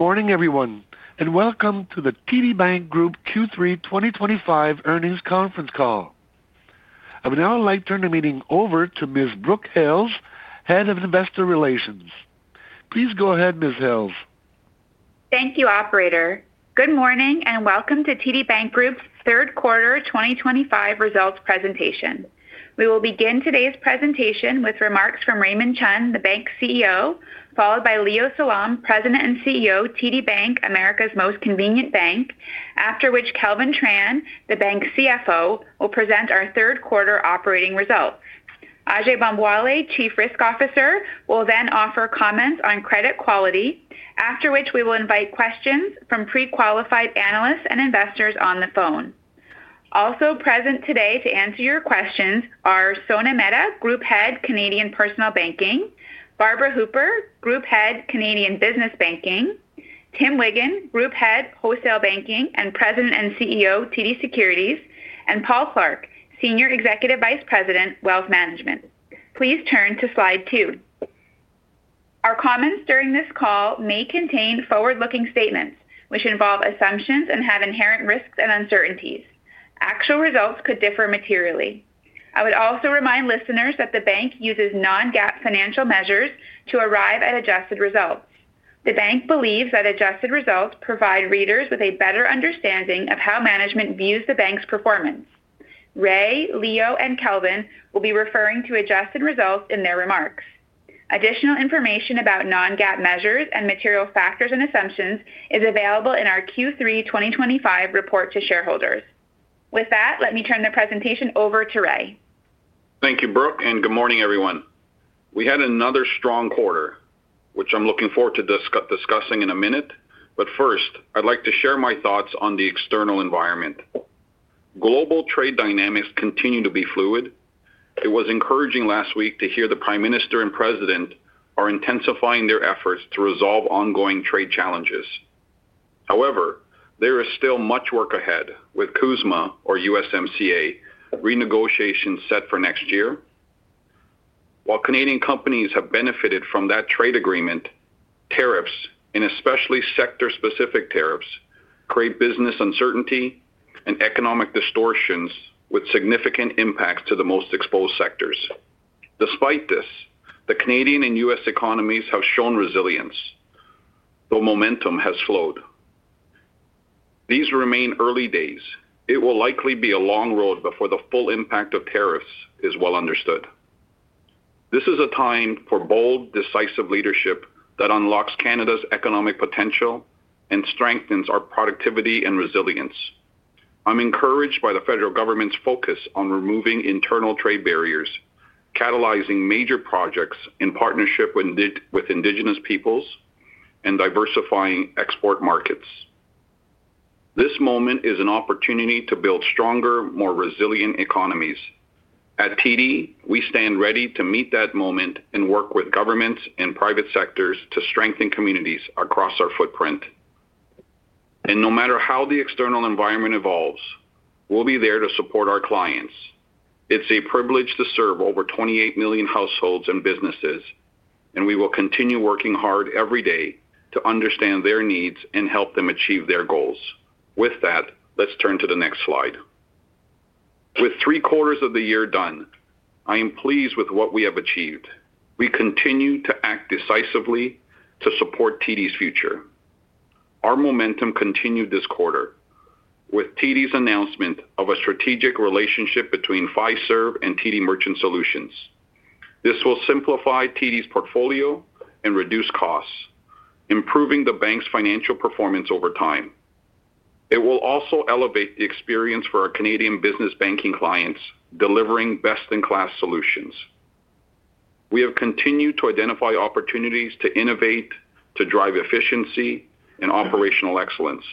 Morning, everyone, and welcome to the TD Bank Group Q3 2025 Earnings Conference Call. I would now like to turn the meeting over to Ms. Brooke Hales, Head of Investor Relations. Please go ahead, Ms. Hales. Thank you, Operator. Good morning and welcome to TD Bank Group's Third Quarter 2025 Results Presentation. We will begin today's presentation with remarks from Raymond Chun, the Bank's CEO, followed by Leo Salom, President and CEO, TD Bank, America's most convenient bank, after which Kelvin Tran, the Bank's CFO, will present our third quarter operating result. Ajai Bambawale, Chief Risk Officer, will then offer comments on credit quality, after which we will invite questions from pre-qualified analysts and investors on the phone. Also present today to answer your questions are Sona Mehta, Group Head, Canadian Personal Banking, Barbara Hooper, Group Head, Canadian Business Banking, Tim Wiggan, Group Head, Wholesale Banking and President and CEO, TD Securities, and Paul Clark, Senior Executive Vice President, Wealth Management. Please turn to slide 2. Our comments during this call may contain forward-looking statements, which involve assumptions and have inherent risks and uncertainties. Actual results could differ materially. I would also remind listeners that the Bank uses non-GAAP financial measures to arrive at adjusted results. The Bank believes that adjusted results provide readers with a better understanding of how management views the Bank's performance. Ray, Leo, and Kelvin will be referring to adjusted results in their remarks. Additional information about non-GAAP measures and material factors and assumptions is available in our Q3 2025 report to shareholders. With that, let me turn the presentation over to Ray. Thank you, Brooke, and good morning, everyone. We had another strong quarter, which I'm looking forward to discussing in a minute, but first, I'd like to share my thoughts on the external environment. Global trade dynamics continue to be fluid. It was encouraging last week to hear the Prime Minister and President are intensifying their efforts to resolve ongoing trade challenges. However, there is still much work ahead with CUSMA or USMCA renegotiations set for next year. While Canadian companies have benefited from that trade agreement, tariffs, and especially sector-specific tariffs, create business uncertainty and economic distortions with significant impacts to the most exposed sectors. Despite this, the Canadian and U.S. economies have shown resilience, though momentum has slowed. These remain early days. It will likely be a long road before the full impact of tariffs is well understood. This is a time for bold, decisive leadership that unlocks Canada's economic potential and strengthens our productivity and resilience. I'm encouraged by the federal government's focus on removing internal trade barriers, catalyzing major projects in partnership with Indigenous peoples, and diversifying export markets. This moment is an opportunity to build stronger, more resilient economies. At TD, we stand ready to meet that moment and work with governments and private sectors to strengthen communities across our footprint. No matter how the external environment evolves, we'll be there to support our clients. It's a privilege to serve over 28 million households and businesses, and we will continue working hard every day to understand their needs and help them achieve their goals. With that, let's turn to the next slide. With three quarters of the year done, I am pleased with what we have achieved. We continue to act decisively to support TD's future. Our momentum continued this quarter with TD's announcement of a strategic relationship between Fiserv and TD Merchant Solutions. This will simplify TD's portfolio and reduce costs, improving the Bank's financial performance over time. It will also elevate the experience for our Canadian business banking clients, delivering best-in-class solutions. We have continued to identify opportunities to innovate, to drive efficiency and operational excellence.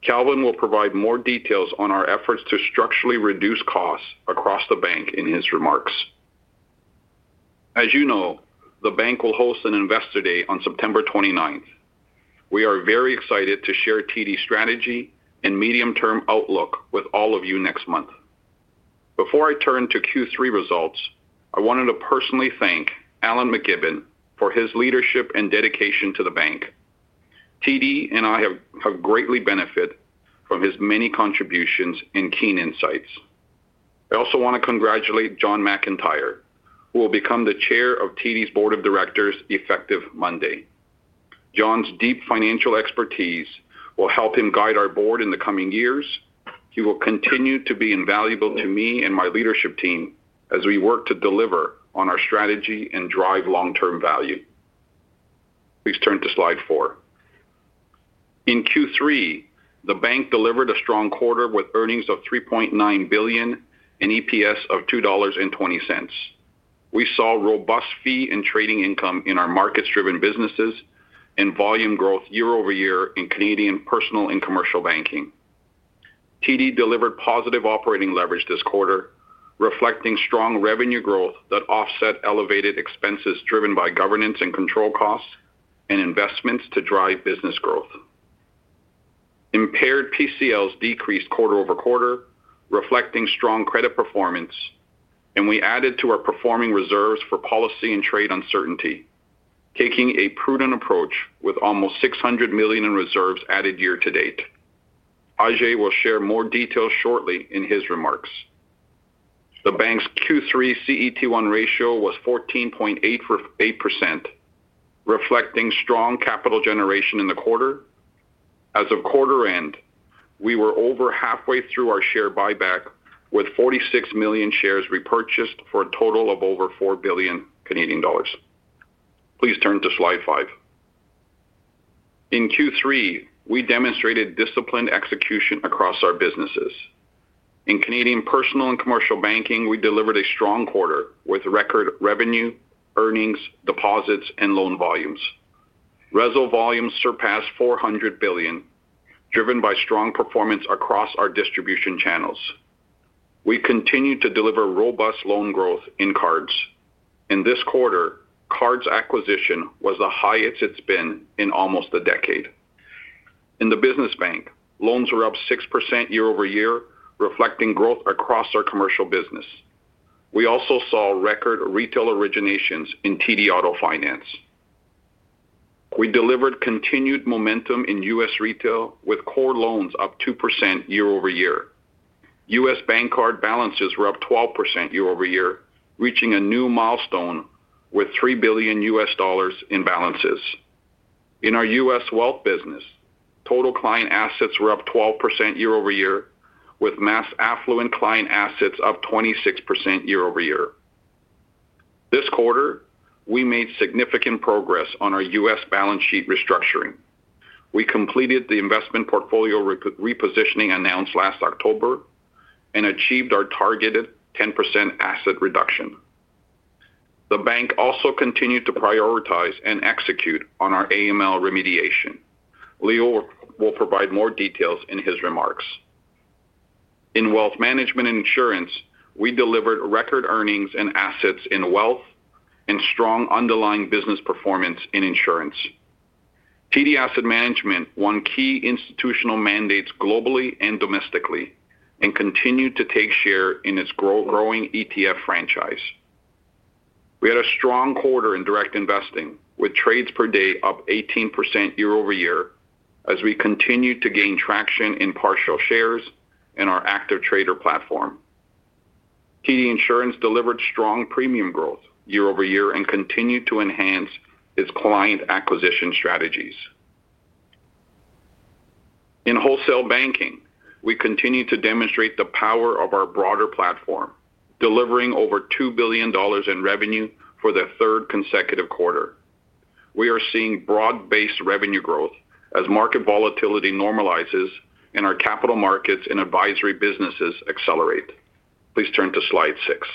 Kelvin will provide more details on our efforts to structurally reduce costs across the Bank in his remarks. As you know, the Bank will host an Investor Day on September 29. We are very excited to share TD's strategy and medium-term outlook with all of you next month. Before I turn to Q3 results, I wanted to personally thank Alan McGibbon for his leadership and dedication to the Bank. TD and I have greatly benefited from his many contributions and keen insights. I also want to congratulate John McIntyre, who will become the Chair of TD's Board of Directors effective Monday. John's deep financial expertise will help him guide our Board in the coming years. He will continue to be invaluable to me and my leadership team as we work to deliver on our strategy and drive long-term value. Please turn to slide 4. In Q3, the Bank delivered a strong quarter with earnings of CND 3.9 billion and EPS of CND 2.20. We saw robust fee and trading income in our markets-driven businesses and volume growth year-over-year in Canadian Personal and Commercial Banking. TD delivered positive operating leverage this quarter, reflecting strong revenue growth that offset elevated expenses driven by governance and control costs and investments to drive business growth. Impaired PCLs decreased quarter-over-quarter, reflecting strong credit performance, and we added to our performing reserves for policy and trade uncertainty, taking a prudent approach with almost CND 600 million in reserves added year to date. Ajai Bambawale will share more details shortly in his remarks. The Bank's Q3 CET1 ratio was 14.8%, reflecting strong capital generation in the quarter. As of quarter-end, we were over halfway through our share buyback, with 46 million shares repurchased for a total of over CND 4 billion Canadian dollars. Please turn to slide 5. In Q3, we demonstrated disciplined execution across our businesses. In Canadian Personal and Commercial Banking, we delivered a strong quarter with record revenue, earnings, deposits, and loan volumes. Reservoir volumes surpassed CND 400 billion, driven by strong performance across our distribution channels. We continued to deliver robust loan growth in cards. In this quarter, cards acquisition was the highest it's been in almost a decade. In the Business Bank, loans were up 6% year-over-year, reflecting growth across our commercial business. We also saw record retail originations in TD Auto Finance. We delivered continued momentum in U.S. Retail, with core loans up 2% year-over-year. U.S. bank card balances were up 12% year-over-year, reaching a new milestone with $3 billion U.S. dollars in balances. In our U.S. wealth business, total client assets were up 12% year-over-year, with mass affluent client assets up 26% year-over-year. This quarter, we made significant progress on our U.S. balance sheet restructuring. We completed the investment portfolio repositioning announced last October and achieved our targeted 10% asset reduction. The Bank also continued to prioritize and execute on our AML remediation. Leo will provide more details in his remarks. In wealth management and insurance, we delivered record earnings and assets in wealth and strong underlying business performance in insurance. TD Asset Management won key institutional mandates globally and domestically and continued to take share in its growing ETF franchise. We had a strong quarter in direct investing, with trades per day up 18% year-over-year as we continued to gain traction in partial shares and our active trader platform. TD Insurance delivered strong premium growth year-over-year and continued to enhance its client acquisition strategies. In wholesale banking, we continue to demonstrate the power of our broader platform, delivering over CND 2 billion in revenue for the third consecutive quarter. We are seeing broad-based revenue growth as market volatility normalizes and our capital markets and advisory businesses accelerate. Please turn to slide 6.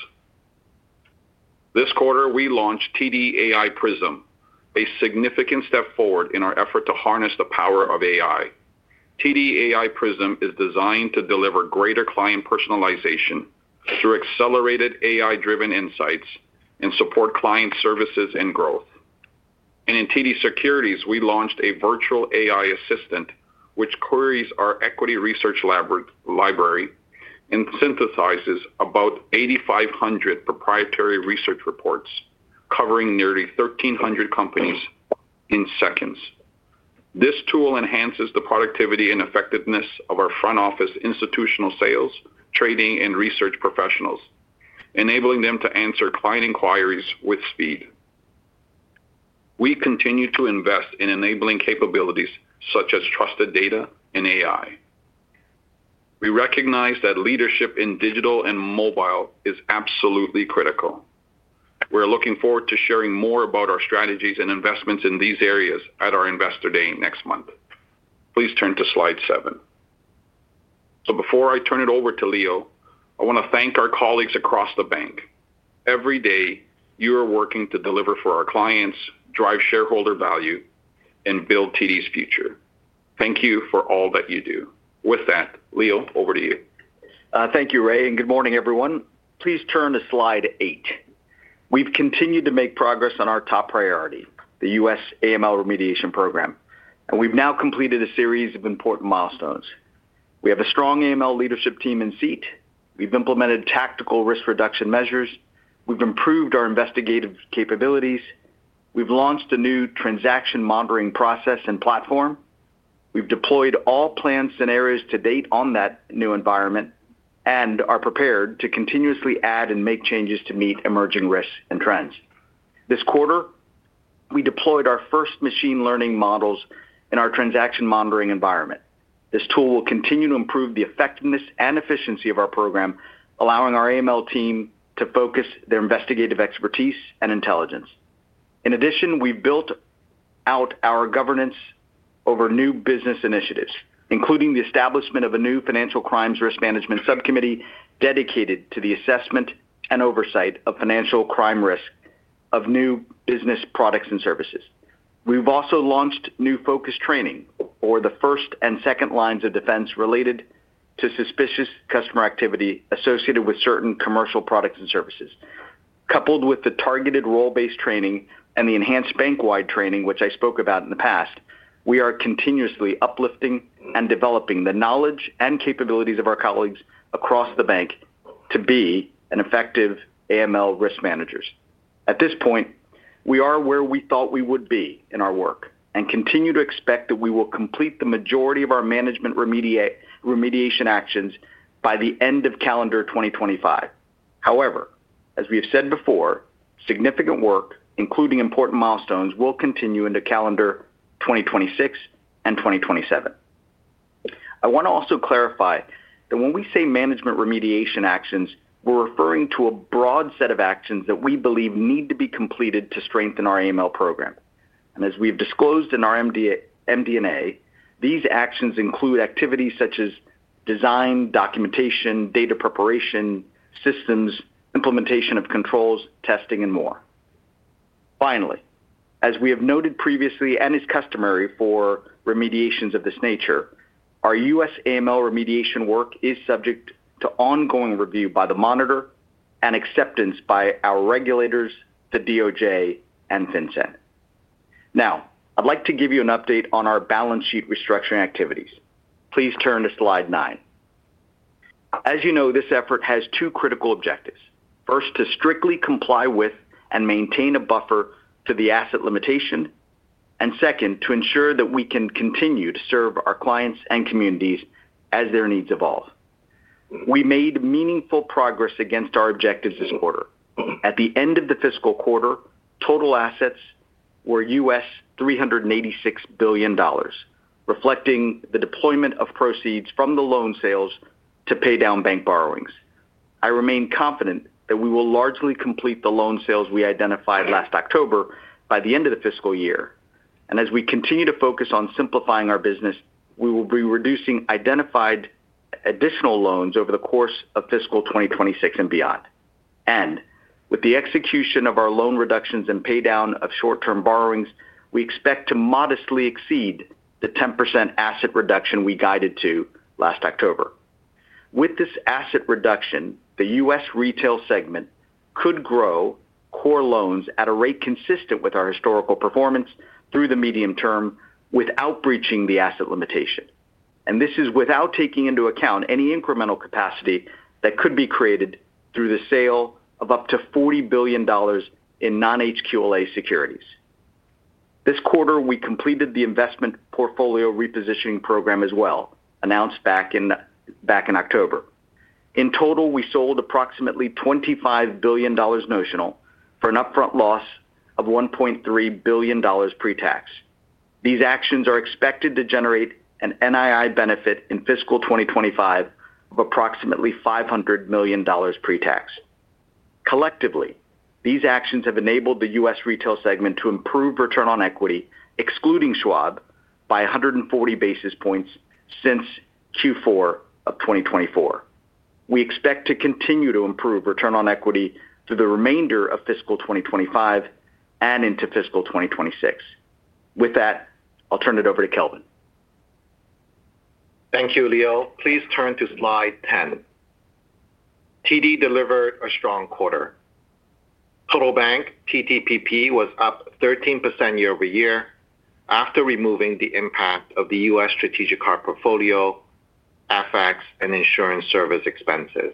This quarter, we launched TD AI Prism, a significant step forward in our effort to harness the power of AI. TD AI Prism is designed to deliver greater client personalization through accelerated AI-driven insights and support client services and growth. In TD Securities, we launched a virtual AI assistant which queries our equity research library and synthesizes about 8,500 proprietary research reports, covering nearly 1,300 companies in seconds. This tool enhances the productivity and effectiveness of our front office institutional sales, trading, and research professionals, enabling them to answer client inquiries with speed. We continue to invest in enabling capabilities such as trusted data and AI. We recognize that leadership in digital and mobile is absolutely critical. We're looking forward to sharing more about our strategies and investments in these areas at our Investor Day next month. Please turn to slide 7. Before I turn it over to Leo, I want to thank our colleagues across the Bank. Every day, you are working to deliver for our clients, drive shareholder value, and build TD's future. Thank you for all that you do. With that, Leo, over to you. Thank you, Ray, and good morning, everyone. Please turn to slide 8. We've continued to make progress on our top priority, the U.S. AML remediation program, and we've now completed a series of important milestones. We have a strong AML leadership team in seat. We've implemented tactical risk reduction measures. We've improved our investigative capabilities. We've launched a new transaction monitoring process and platform. We've deployed all planned scenarios to date on that new environment and are prepared to continuously add and make changes to meet emerging risks and trends. This quarter, we deployed our first machine learning models in our transaction monitoring environment. This tool will continue to improve the effectiveness and efficiency of our program, allowing our AML team to focus their investigative expertise and intelligence. In addition, we built out our governance over new business initiatives, including the establishment of a new Financial Crimes Risk Management Subcommittee dedicated to the assessment and oversight of financial crime risk of new business products and services. We've also launched new focus training for the first and second lines of defense related to suspicious customer activity associated with certain commercial products and services. Coupled with the targeted role-based training and the enhanced bank-wide training, which I spoke about in the past, we are continuously uplifting and developing the knowledge and capabilities of our colleagues across the Bank to be effective AML risk managers. At this point, we are where we thought we would be in our work and continue to expect that we will complete the majority of our management remediation actions by the end of calendar 2025. However, as we have said before, significant work, including important milestones, will continue into calendar 2026 and 2027. I want to also clarify that when we say management remediation actions, we're referring to a broad set of actions that we believe need to be completed to strengthen our AML program. As we've disclosed in our MD&A, these actions include activities such as design, documentation, data preparation, systems, implementation of controls, testing, and more. Finally, as we have noted previously and is customary for remediations of this nature, our U.S. AML remediation work is subject to ongoing review by the Monitor and acceptance by our regulators, the DOJ, and FinCEN. Now, I'd like to give you an update on our balance sheet restructuring activities. Please turn to slide 9. As you know, this effort has two critical objectives: first, to strictly comply with and maintain a buffer to the asset limitation, and second, to ensure that we can continue to serve our clients and communities as their needs evolve. We made meaningful progress against our objectives this quarter. At the end of the fiscal quarter, total assets were CND 386 billion, reflecting the deployment of proceeds from the loan sales to pay down bank borrowings. I remain confident that we will largely complete the loan sales we identified last October by the end of the fiscal year. As we continue to focus on simplifying our business, we will be reducing identified additional loans over the course of fiscal 2026 and beyond. With the execution of our loan reductions and pay down of short-term borrowings, we expect to modestly exceed the 10% asset reduction we guided to last October. With this asset reduction, the U.S. retail segment could grow core loans at a rate consistent with our historical performance through the medium term without breaching the asset limitation. This is without taking into account any incremental capacity that could be created through the sale of up to CND 40 billion in non-HQLA securities. This quarter, we completed the investment portfolio repositioning program as well, announced back in October. In total, we sold approximately CND 25 billion notional for an upfront loss of CND 1.3 billion pre-tax. These actions are expected to generate an NII benefit in fiscal 2025 of approximately CND 500 million pre-tax. Collectively, these actions have enabled the U.S. retail segment to improve return on equity, excluding Schwab, by 140 basis points since Q4 of 2024. We expect to continue to improve return on equity through the remainder of fiscal 2025 and into fiscal 2026. With that, I'll turn it over to Kelvin. Thank you, Leo. Please turn to slide 10. TD delivered a strong quarter. Total bank TTPP was up 13% year-over-year after removing the impact of the U.S. strategic card portfolio, FX, and insurance service expenses.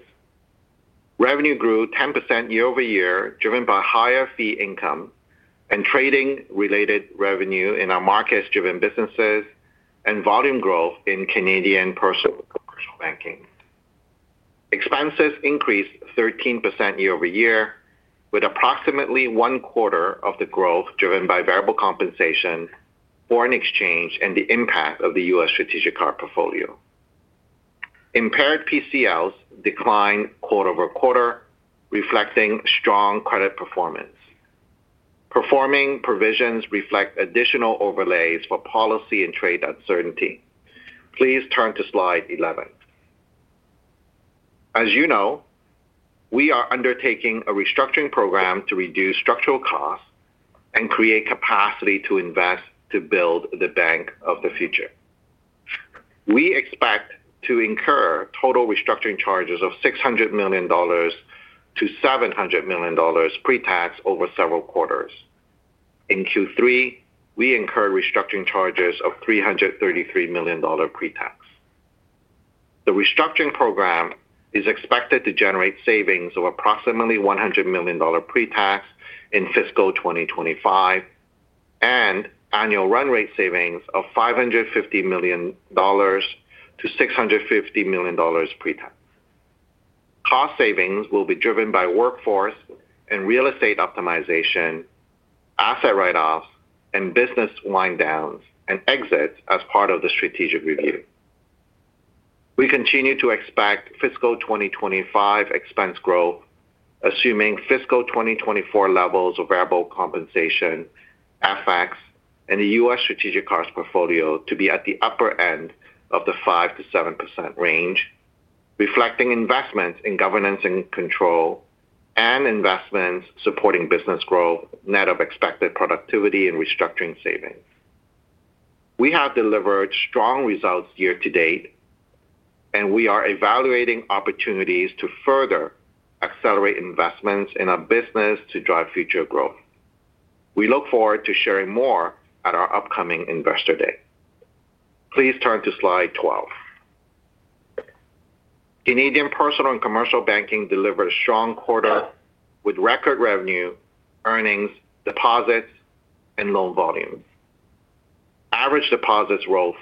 Revenue grew 10% year-over-year, driven by higher fee income and trading-related revenue in our markets-driven businesses and volume growth in Canadian personal and commercial banking. Expenses increased 13% year-over-year, with approximately one quarter of the growth driven by variable compensation, foreign exchange, and the impact of the U.S. strategic card portfolio. Impaired PCLs declined quarter-over-quarter, reflecting strong credit performance. Performing provisions reflect additional overlays for policy and trade uncertainty. Please turn to slide 11. As you know, we are undertaking a restructuring program to reduce structural costs and create capacity to invest to build the Bank of the Future. We expect to incur total restructuring charges of CND 600 million-CND 700 million pre-tax over several quarters. In Q3, we incurred restructuring charges of CND 333 million pre-tax. The restructuring program is expected to generate savings of approximately CND 100 million pre-tax in fiscal 2025 and annual run rate savings of CND 550 million-CND 650 million pre-tax. Cost savings will be driven by workforce and real estate optimization, asset write-offs, and business wind-downs and exits as part of the strategic review. We continue to expect fiscal 2025 expense growth, assuming fiscal 2024 levels of variable compensation, FX, and the U.S. strategic card portfolio to be at the upper end of the 5%-7% range, reflecting investments in governance and control and investments supporting business growth, net of expected productivity and restructuring savings. We have delivered strong results year to date, and we are evaluating opportunities to further accelerate investments in our business to drive future growth. We look forward to sharing more at our upcoming Investor Day. Please turn to slide 12. Canadian personal and commercial banking delivered a strong quarter with record revenue, earnings, deposits, and loan volumes. Average deposits rose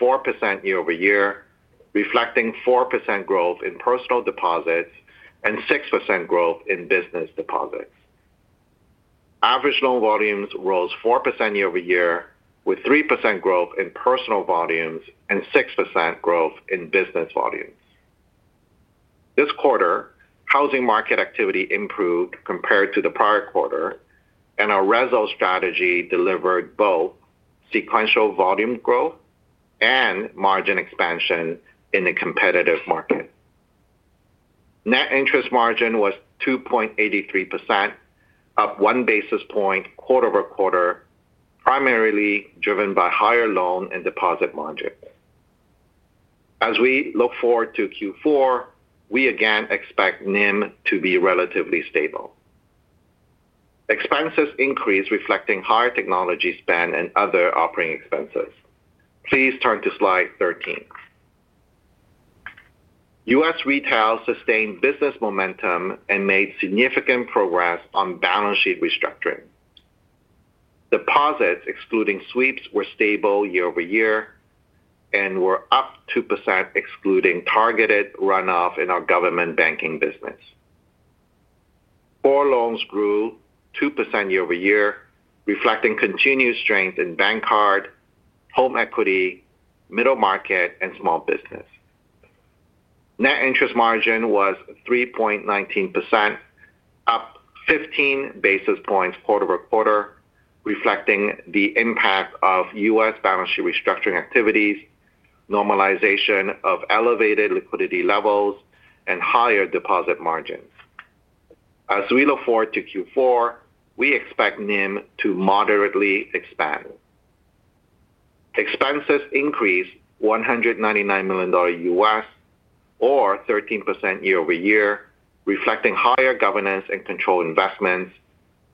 4% year-over-year, reflecting 4% growth in personal deposits and 6% growth in business deposits. Average loan volumes rose 4% year-over-year, with 3% growth in personal volumes and 6% growth in business volumes. This quarter, housing market activity improved compared to the prior quarter, and our reserve strategy delivered both sequential volume growth and margin expansion in the competitive market. Net interest margin was 2.83%, up one basis point quarter-over-quarter, primarily driven by higher loan and deposit margins. As we look forward to Q4, we again expect NIM to be relatively stable. Expenses increased, reflecting higher technology spend and other operating expenses. Please turn to slide 13. U.S. retail sustained business momentum and made significant progress on balance sheet restructuring. Deposits, excluding sweeps, were stable year-over-year and were up 2%, excluding targeted runoff in our government banking business. Core loans grew 2% year-over-year, reflecting continued strength in bank card, home equity, middle market, and small business. Net interest margin was 3.19%, up 15 basis points quarter-over-quarter, reflecting the impact of U.S. balance sheet restructuring activities, normalization of elevated liquidity levels, and higher deposit margins. As we look forward to Q4, we expect NIM to moderately expand. Expenses increased $199 million U.S., or 13% year-over-year, reflecting higher governance and control investments,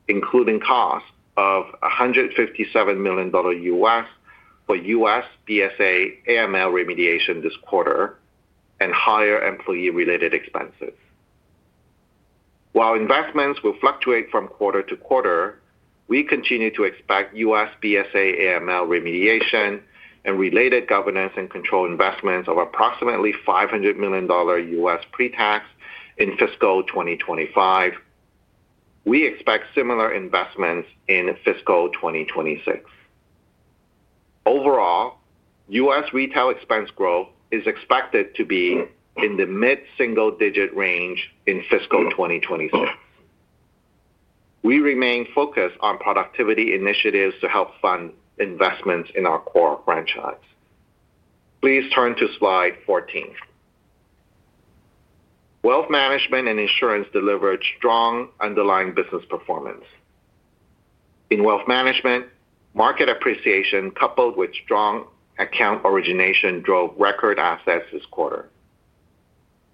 including costs of $157 million U.S. for U.S. BSA AML remediation this quarter and higher employee-related expenses. While investments will fluctuate from quarter to quarter, we continue to expect U.S. BSA AML remediation and related governance and control investments of approximately $500 million U.S. pre-tax in fiscal 2025. We expect similar investments in fiscal 2026. Overall, U.S. retail expense growth is expected to be in the mid-single-digit range in fiscal 2026. We remain focused on productivity initiatives to help fund investments in our core franchise. Please turn to slide 14. Wealth management and insurance delivered strong underlying business performance. In wealth management, market appreciation coupled with strong account origination drove record assets this quarter.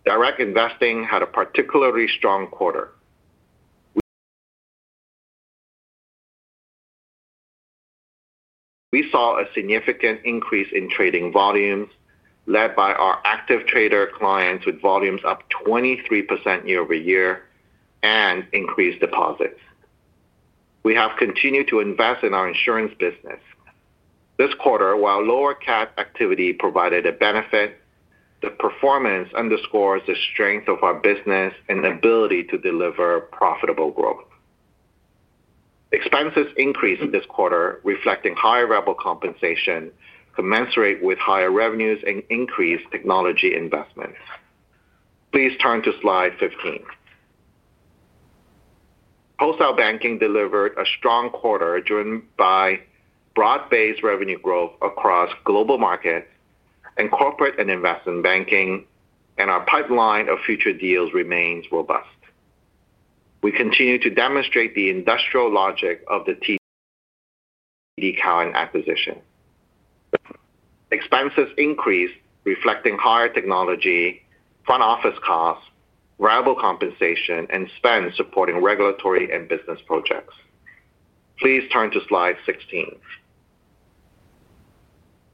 Direct investing had a particularly strong quarter. We saw a significant increase in trading volumes led by our active trader clients with volumes up 23% year-over-year and increased deposits. We have continued to invest in our insurance business. This quarter, while lower CAT activity provided a benefit, the performance underscores the strength of our business and ability to deliver profitable growth. Expenses increased this quarter, reflecting higher variable compensation commensurate with higher revenues and increased technology investments. Please turn to slide 15. Wholesale Banking delivered a strong quarter driven by broad-based revenue growth across Global Markets and Corporate and Investment Banking, and our pipeline of future deals remains robust. We continue to demonstrate the industrial logic of the TD acquisition. Expenses increased, reflecting higher technology, front office costs, variable compensation, and spend supporting regulatory and business projects. Please turn to slide 16.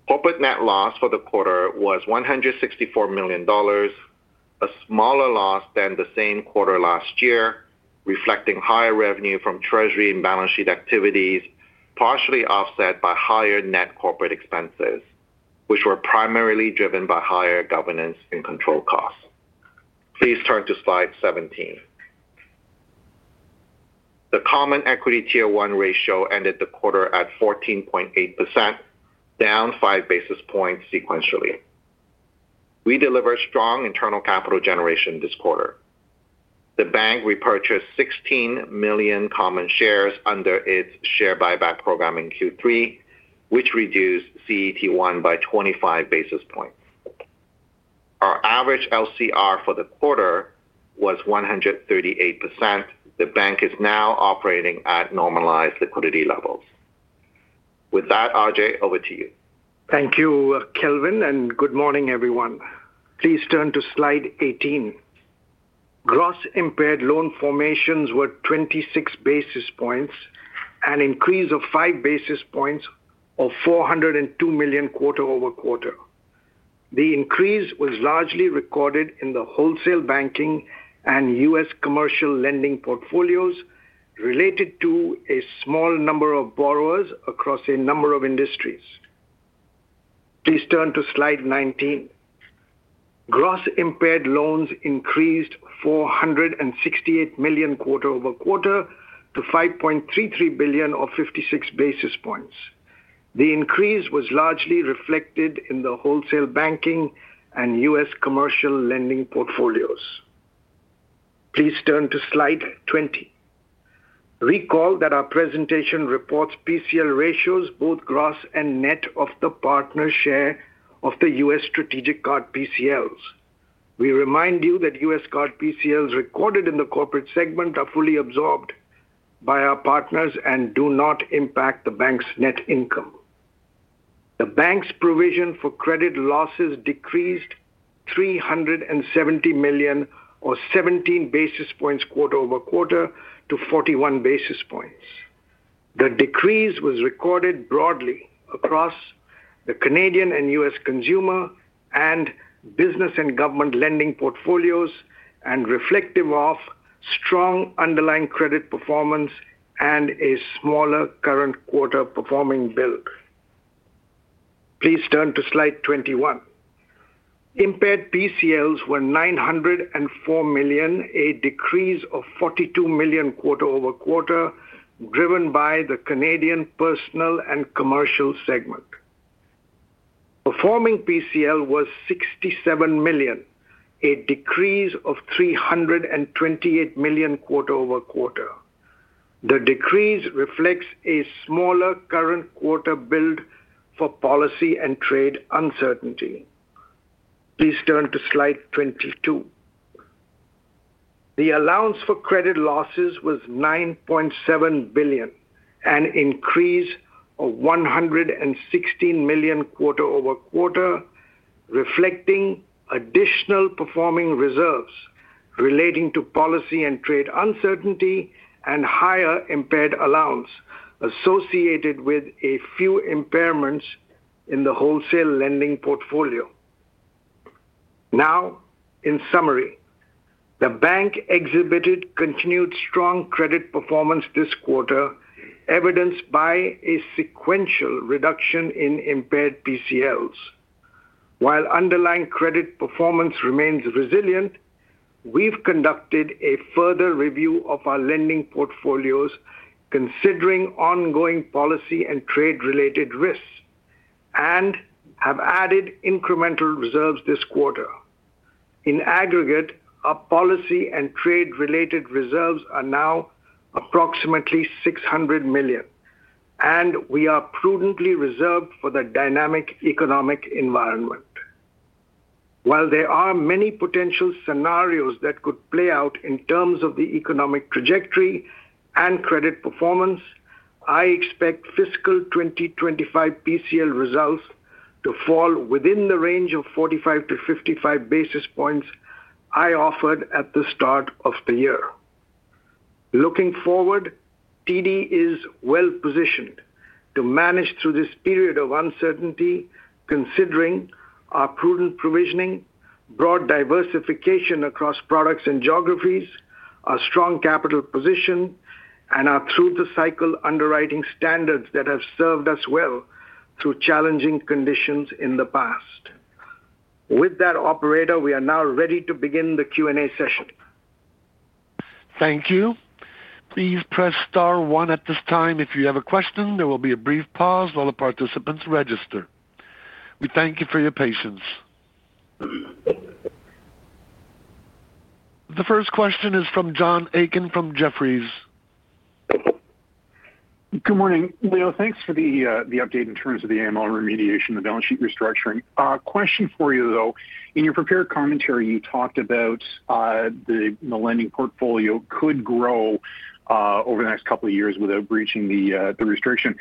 Corporate net loss for the quarter was CND 164 million, a smaller loss than the same quarter last year, reflecting higher revenue from treasury and balance sheet activities, partially offset by higher net corporate expenses, which were primarily driven by higher governance and control costs. Please turn to slide 17. The Common Equity Tier 1 ratio ended the quarter at 14.8%, down five basis points sequentially. We delivered strong internal capital generation this quarter. The bank repurchased 16 million common shares under its share buyback program in Q3, which reduced CET1 by 25 basis points. Our average LCR for the quarter was 138%. The bank is now operating at normalized liquidity levels. With that, Ajai, over to you. Thank you, Kelvin, and good morning, everyone. Please turn to slide 18. Gross impaired loan formations were 26 basis points, an increase of 5 basis points to CND 402 million quarter-over-quarter. The increase was largely recorded in the Wholesale Banking and U.S. commercial lending portfolios related to a small number of borrowers across a number of industries. Please turn to slide 19. Gross impaired loans increased CND 468 million quarter-over-quarter to CND 5.33 billion or 56 basis points. The increase was largely reflected in the Wholesale Banking and U.S. commercial lending portfolios. Please turn to slide 20. Recall that our presentation reports PCL ratios, both gross and net of the partner share of the U.S. strategic card PCLs. We remind you that U.S. card PCLs recorded in the Corporate segment are fully absorbed by our partners and do not impact the bank's net income. The bank's provision for credit losses decreased CND 370 million or 17 basis points quarter-over-quarter to 41 basis points. The decrease was recorded broadly across the Canadian and U.S. consumer and business and government lending portfolios and is reflective of strong underlying credit performance and a smaller current quarter performing build. Please turn to slide 21. Impaired PCLs were CND 904 million, a decrease of CND 42 million quarter-over-quarter driven by the Canadian Personal and Commercial segment. Performing PCL was CND 67 million, a decrease of CND 328 million quarter-over-quarter. The decrease reflects a smaller current quarter build for policy and trade uncertainty. Please turn to slide 22. The allowance for credit losses was CND 9.7 billion, an increase of CND 116 million quarter-over-quarter, reflecting additional performing reserves relating to policy and trade uncertainty and higher impaired allowance associated with a few impairments in the Wholesale Lending portfolio. Now, in summary, the bank exhibited continued strong credit performance this quarter, evidenced by a sequential reduction in impaired PCLs. While underlying credit performance remains resilient, we've conducted a further review of our lending portfolios, considering ongoing policy and trade-related risks, and have added incremental reserves this quarter. In aggregate, our policy and trade-related reserves are now approximately CND 600 million, and we are prudently reserved for the dynamic economic environment. While there are many potential scenarios that could play out in terms of the economic trajectory and credit performance, I expect fiscal 2025 PCL results to fall within the range of 45%-55% I offered at the start of the year. Looking forward, TD is well-positioned to manage through this period of uncertainty, considering our prudent provisioning, broad diversification across products and geographies, our strong capital position, and our through-the-cycle underwriting standards that have served us well through challenging conditions in the past. With that, Operator, we are now ready to begin the Q&A session. Thank you. Please press star one at this time if you have a question. There will be a brief pause while the participants register. We thank you for your patience. The first question is from John Aiken from Jefferies. Good morning, Leo. Thanks for the update in terms of the AML remediation and the balance sheet restructuring. A question for you, though. In your prepared commentary, you talked about the lending portfolio could grow over the next couple of years without breaching the restriction.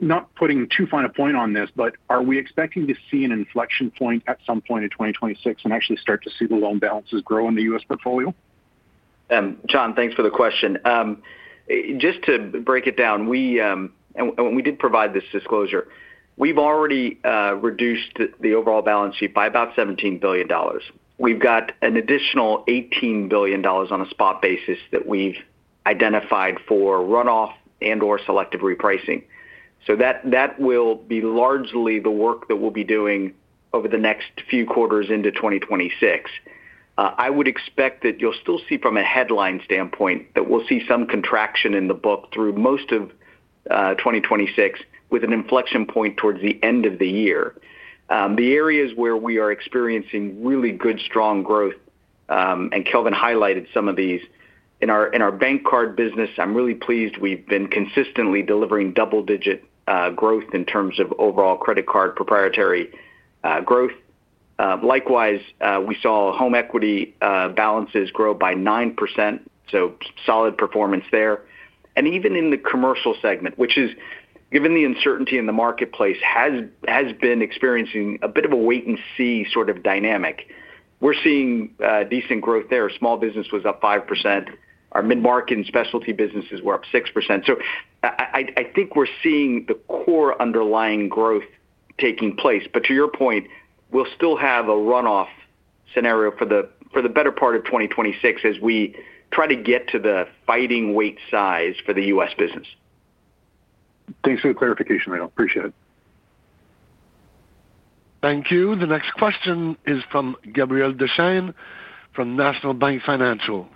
Not putting too fine a point on this, but are we expecting to see an inflection point at some point in 2026 when we actually start to see the loan balances grow in the U.S. portfolio? John, thanks for the question. Just to break it down, we did provide this disclosure. We've already reduced the overall balance sheet by about CND 17 billion. We've got an additional CND 18 billion on a spot basis that we've identified for runoff and/or selective repricing. That will be largely the work that we'll be doing over the next few quarters into 2026. I would expect that you'll still see from a headline standpoint that we'll see some contraction in the book through most of 2026, with an inflection point towards the end of the year. The areas where we are experiencing really good, strong growth, and Kelvin highlighted some of these. In our bank card business, I'm really pleased we've been consistently delivering double-digit growth in terms of overall credit card proprietary growth. Likewise, we saw home equity balances grow by 9%, so solid performance there. Even in the commercial segment, which is given the uncertainty in the marketplace, has been experiencing a bit of a wait-and-see sort of dynamic. We're seeing decent growth there. Small business was up 5%. Our mid-market and specialty businesses were up 6%. I think we're seeing the core underlying growth taking place. To your point, we'll still have a runoff scenario for the better part of 2026 as we try to get to the fighting weight size for the U.S. business. Thanks for the clarification, Leo. Appreciate it. Thank you. The next question is from Gabriel Dechaine from National Bank Financial.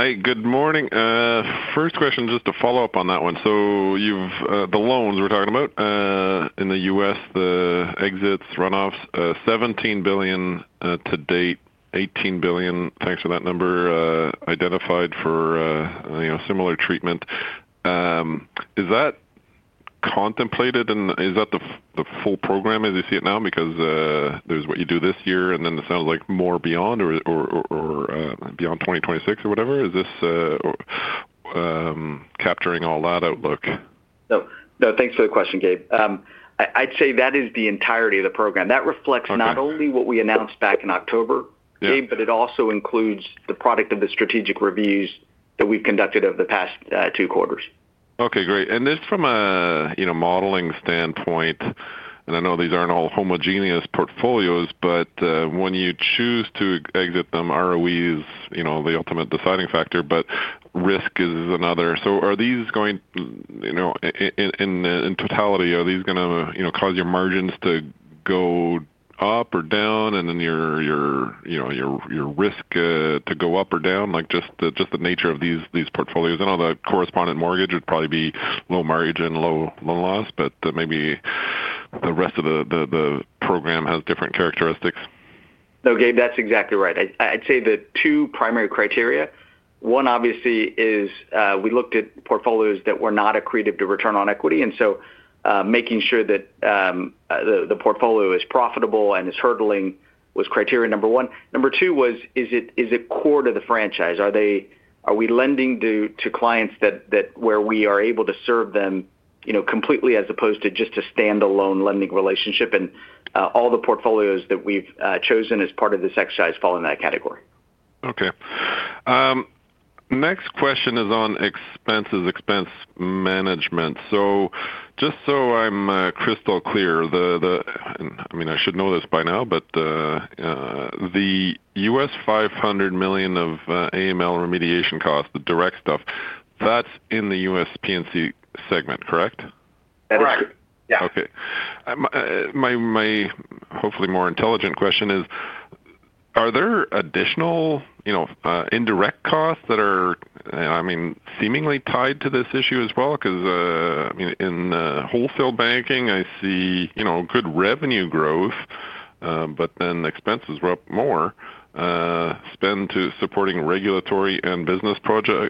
Hey, good morning. First question, just to follow up on that one. You've the loans we're talking about in the U.S., the exits, runoffs, CND 17 billion to date, CND 18 billion, thanks for that number, identified for similar treatment. Is that contemplated and is that the full program as you see it now? There's what you do this year and then it sounds like more beyond or beyond 2026 or whatever. Is this capturing all that outlook? No, thanks for the question, Gabe. I'd say that is the entirety of the program. That reflects not only what we announced back in October, Gabe, but it also includes the product of the strategic reviews that we conducted over the past two quarters. Okay, great. Just from a modeling standpoint, I know these aren't all homogeneous portfolios, but when you choose to exit them, ROE is the ultimate deciding factor, but risk is another. Are these going in totality, are these going to cause your margins to go up or down, and then your risk to go up or down? Just the nature of these portfolios. I know the correspondent mortgage would probably be low margin and low loan loss, but maybe the rest of the program has different characteristics. No, Gabe, that's exactly right. I'd say the two primary criteria, one obviously is we looked at portfolios that were not accretive to return on equity, making sure that the portfolio is profitable and is hurdling was criteria number one. Number two was, is it core to the franchise? Are we lending to clients where we are able to serve them completely as opposed to just a standalone lending relationship? All the portfolios that we've chosen as part of this exercise fall in that category. Okay. Next question is on expenses, expense management. Just so I'm crystal clear, I mean, I should know this by now, but the U.S. $500 million of AML remediation costs, the direct stuff, that's in the U.S. PNC segment, correct? That is correct, yeah. Okay. My hopefully more intelligent question is, are there additional indirect costs that are, I mean, seemingly tied to this issue as well? Because in Wholesale Banking, I see good revenue growth, but then expenses were up more, spend to supporting regulatory and business projects.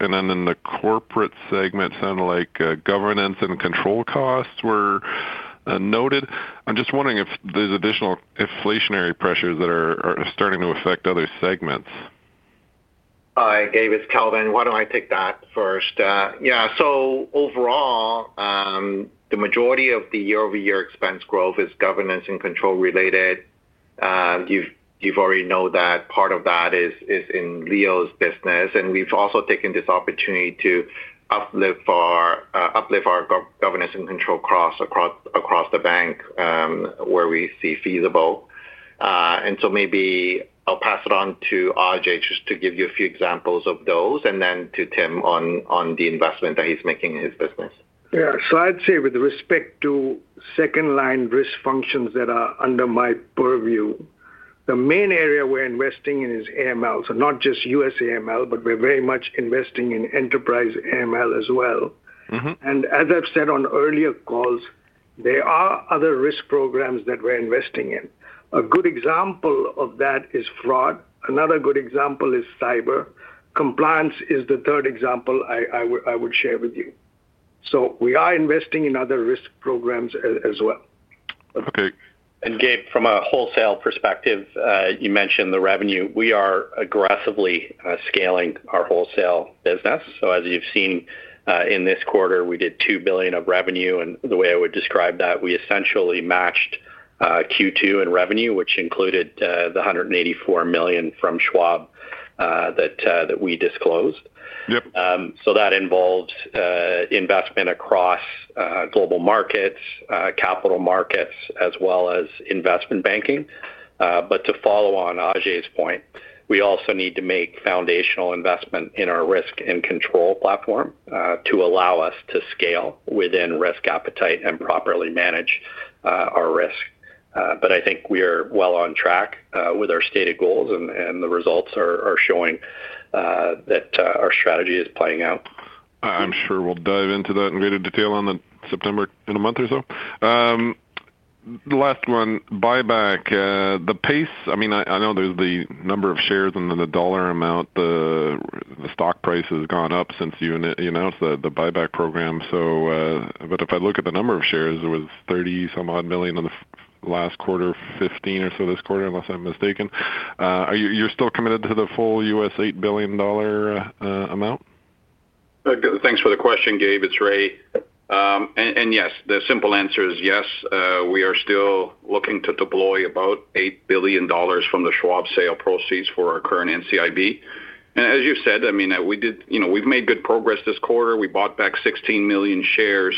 In the Corporate segment, it sounded like governance and control costs were noted. I'm just wondering if there's additional inflationary pressures that are starting to affect other segments. Hi, Gabe, it's Kelvin. Why don't I take that first? Yeah, overall, the majority of the year-over-year expense growth is governance and control related. You already know that part of that is in Leo's business. We've also taken this opportunity to uplift our governance and control costs across the bank where we see feasible. Maybe I'll pass it on to Ajai just to give you a few examples of those and then to Tim on the investment that he's making in his business. Yeah, I'd say with respect to second-line risk functions that are under my purview, the main area we're investing in is AML. Not just U.S. AML, we're very much investing in enterprise AML as well. As I've said on earlier calls, there are other risk programs that we're investing in. A good example of that is fraud. Another good example is cyber. Compliance is the third example I would share with you. We are investing in other risk programs as well. Okay. Gabe, from a wholesale perspective, you mentioned the revenue. We are aggressively scaling our wholesale business. As you've seen in this quarter, we did CND 2 billion of revenue. The way I would describe that, we essentially matched Q2 in revenue, which included the CND 184 million from Schwab that we disclosed. That involves investment across global markets, capital markets, as well as investment banking. To follow on Ajai's point, we also need to make foundational investment in our risk and control platform to allow us to scale within risk appetite and properly manage our risk. I think we are well on track with our stated goals, and the results are showing that our strategy is playing out. I'm sure we'll dive into that in greater detail in a month or so. The last one, buyback. The pace, I mean, I know there's the number of shares and the dollar amount, the stock price has gone up since you announced the buyback program. If I look at the number of shares, it was 30 million in the last quarter, 15 million this quarter, unless I'm mistaken. Are you still committed to the full US $8 billion amount? Thanks for the question, Gabe. It's Ray. Yes, the simple answer is yes. We are still looking to deploy about CND 8 billion from the Schwab sale proceeds for our current NCIB. As you said, we've made good progress this quarter. We bought back 16 million shares.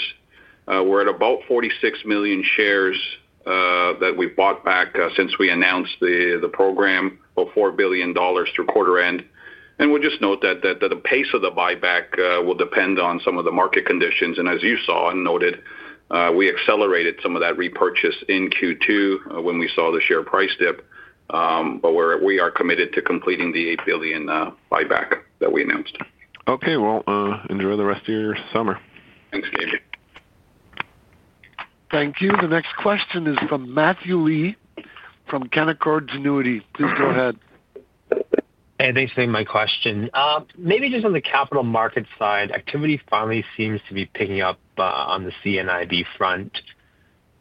We're at about 46 million shares that we've bought back since we announced the program, about CND 4 billion through quarter end. The pace of the buyback will depend on some of the market conditions. As you saw and noted, we accelerated some of that repurchase in Q2 when we saw the share price dip. We are committed to completing the CND 8 billion buyback that we announced. Okay, enjoy the rest of your summer. Thank you. The next question is from Matthew Lee from Canaccord Genuity. Please go ahead. Hey, thanks for my question. Maybe just on the capital market side, activity finally seems to be picking up on the Canadian front.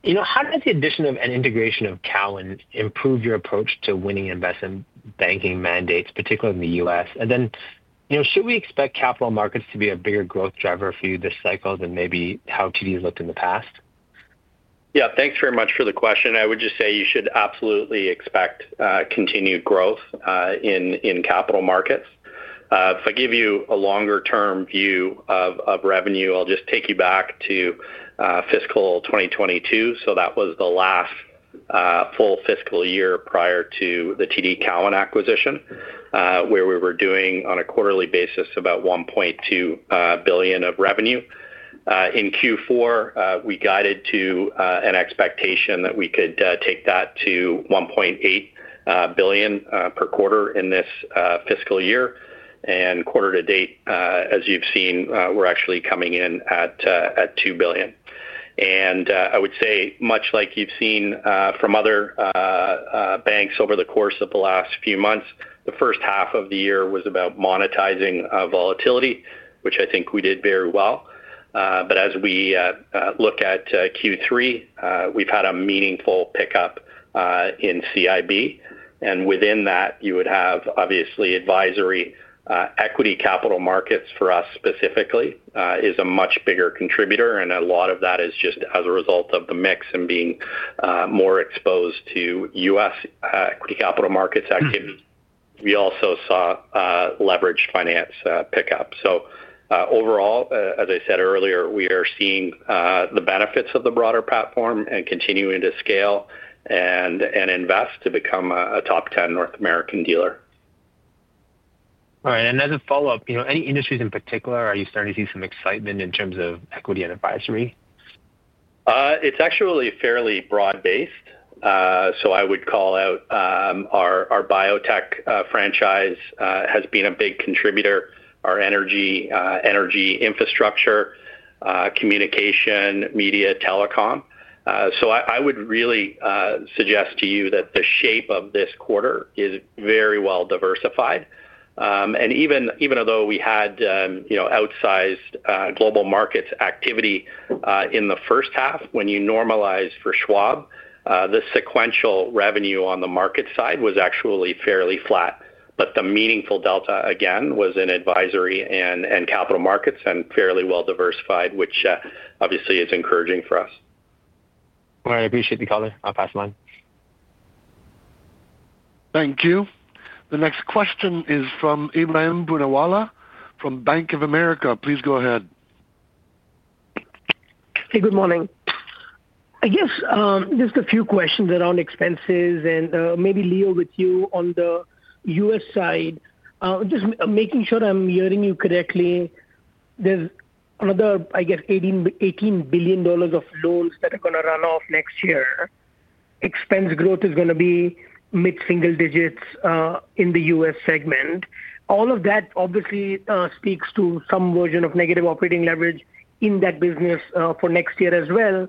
You know, how does the addition and integration of TD Cowen improve your approach to winning investment banking mandates, particularly in the U.S.? You know, should we expect capital markets to be a bigger growth driver for you this cycle than maybe how TD has looked in the past? Yeah, thanks very much for the question. I would just say you should absolutely expect continued growth in capital markets. If I give you a longer-term view of revenue, I'll just take you back to fiscal 2022. That was the last full fiscal year prior to the TD Cowen acquisition, where we were doing on a quarterly basis about CND 1.2 billion of revenue. In Q4, we guided to an expectation that we could take that to CND 1.8 billion per quarter in this fiscal year. Quarter to date, as you've seen, we're actually coming in at CND 2 billion. I would say, much like you've seen from other banks over the course of the last few months, the first half of the year was about monetizing volatility, which I think we did very well. As we look at Q3, we've had a meaningful pickup in CIB. Within that, you would have obviously advisory equity capital markets for us specifically is a much bigger contributor. A lot of that is just as a result of the mix and being more exposed to U.S. equity capital markets activities. We also saw leveraged finance pickup. Overall, as I said earlier, we are seeing the benefits of the broader platform and continuing to scale and invest to become a top 10 North American dealer. All right. As a follow-up, you know, any industries in particular, are you starting to see some excitement in terms of equity and advisory? It's actually fairly broad-based. I would call out our biotech franchise has been a big contributor, our energy infrastructure, communication, media, telecom. I would really suggest to you that the shape of this quarter is very well diversified. Even though we had outsized global markets activity in the first half, when you normalized for Schwab, the sequential revenue on the market side was actually fairly flat. The meaningful delta, again, was in advisory and capital markets and fairly well diversified, which obviously is encouraging for us. All right, I appreciate the caller. I'll pass it on. Thank you. The next question is from Ebrahim Poonawala from Bank of America. Please go ahead. Hey, good morning. I guess just a few questions around expenses and maybe Leo with you on the U.S. side. Just making sure I'm hearing you correctly, there's another, I guess, CND 18 billion of loans that are going to run off next year. Expense growth is going to be mid-single digits in the U.S. segment. All of that obviously speaks to some version of negative operating leverage in that business for next year as well.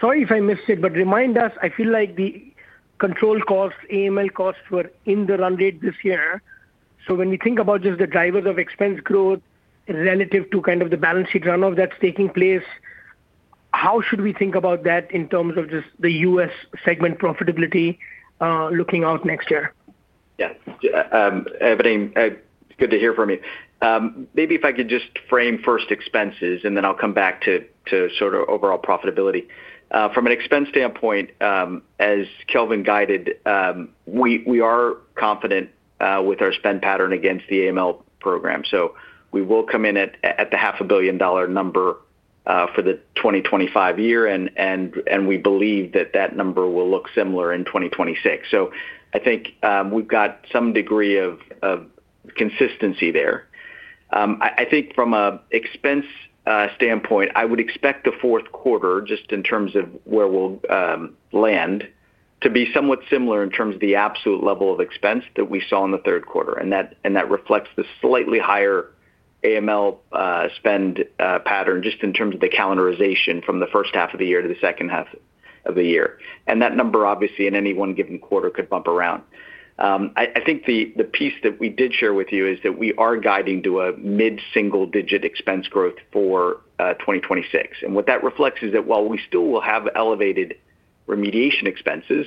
Sorry if I missed it, but remind us, I feel like the control costs, AML costs were in the run rate this year. When we think about just the drivers of expense growth relative to kind of the balance sheet runoff that's taking place, how should we think about that in terms of just the U.S. segment profitability looking out next year? Yeah, Ibrahim, good to hear from you. Maybe if I could just frame first expenses and then I'll come back to sort of overall profitability. From an expense standpoint, as Kelvin guided, we are confident with our spend pattern against the AML program. We will come in at the CND 500 million number for the 2025 year, and we believe that that number will look similar in 2026. I think we've got some degree of consistency there. I think from an expense standpoint, I would expect the fourth quarter, just in terms of where we'll land, to be somewhat similar in terms of the absolute level of expense that we saw in the third quarter. That reflects the slightly higher AML spend pattern, just in terms of the calendarization from the first half of the year to the second half of the year. That number obviously in any one given quarter could bump around. The piece that we did share with you is that we are guiding to a mid-single digit expense growth for 2026. What that reflects is that while we still will have elevated remediation expenses,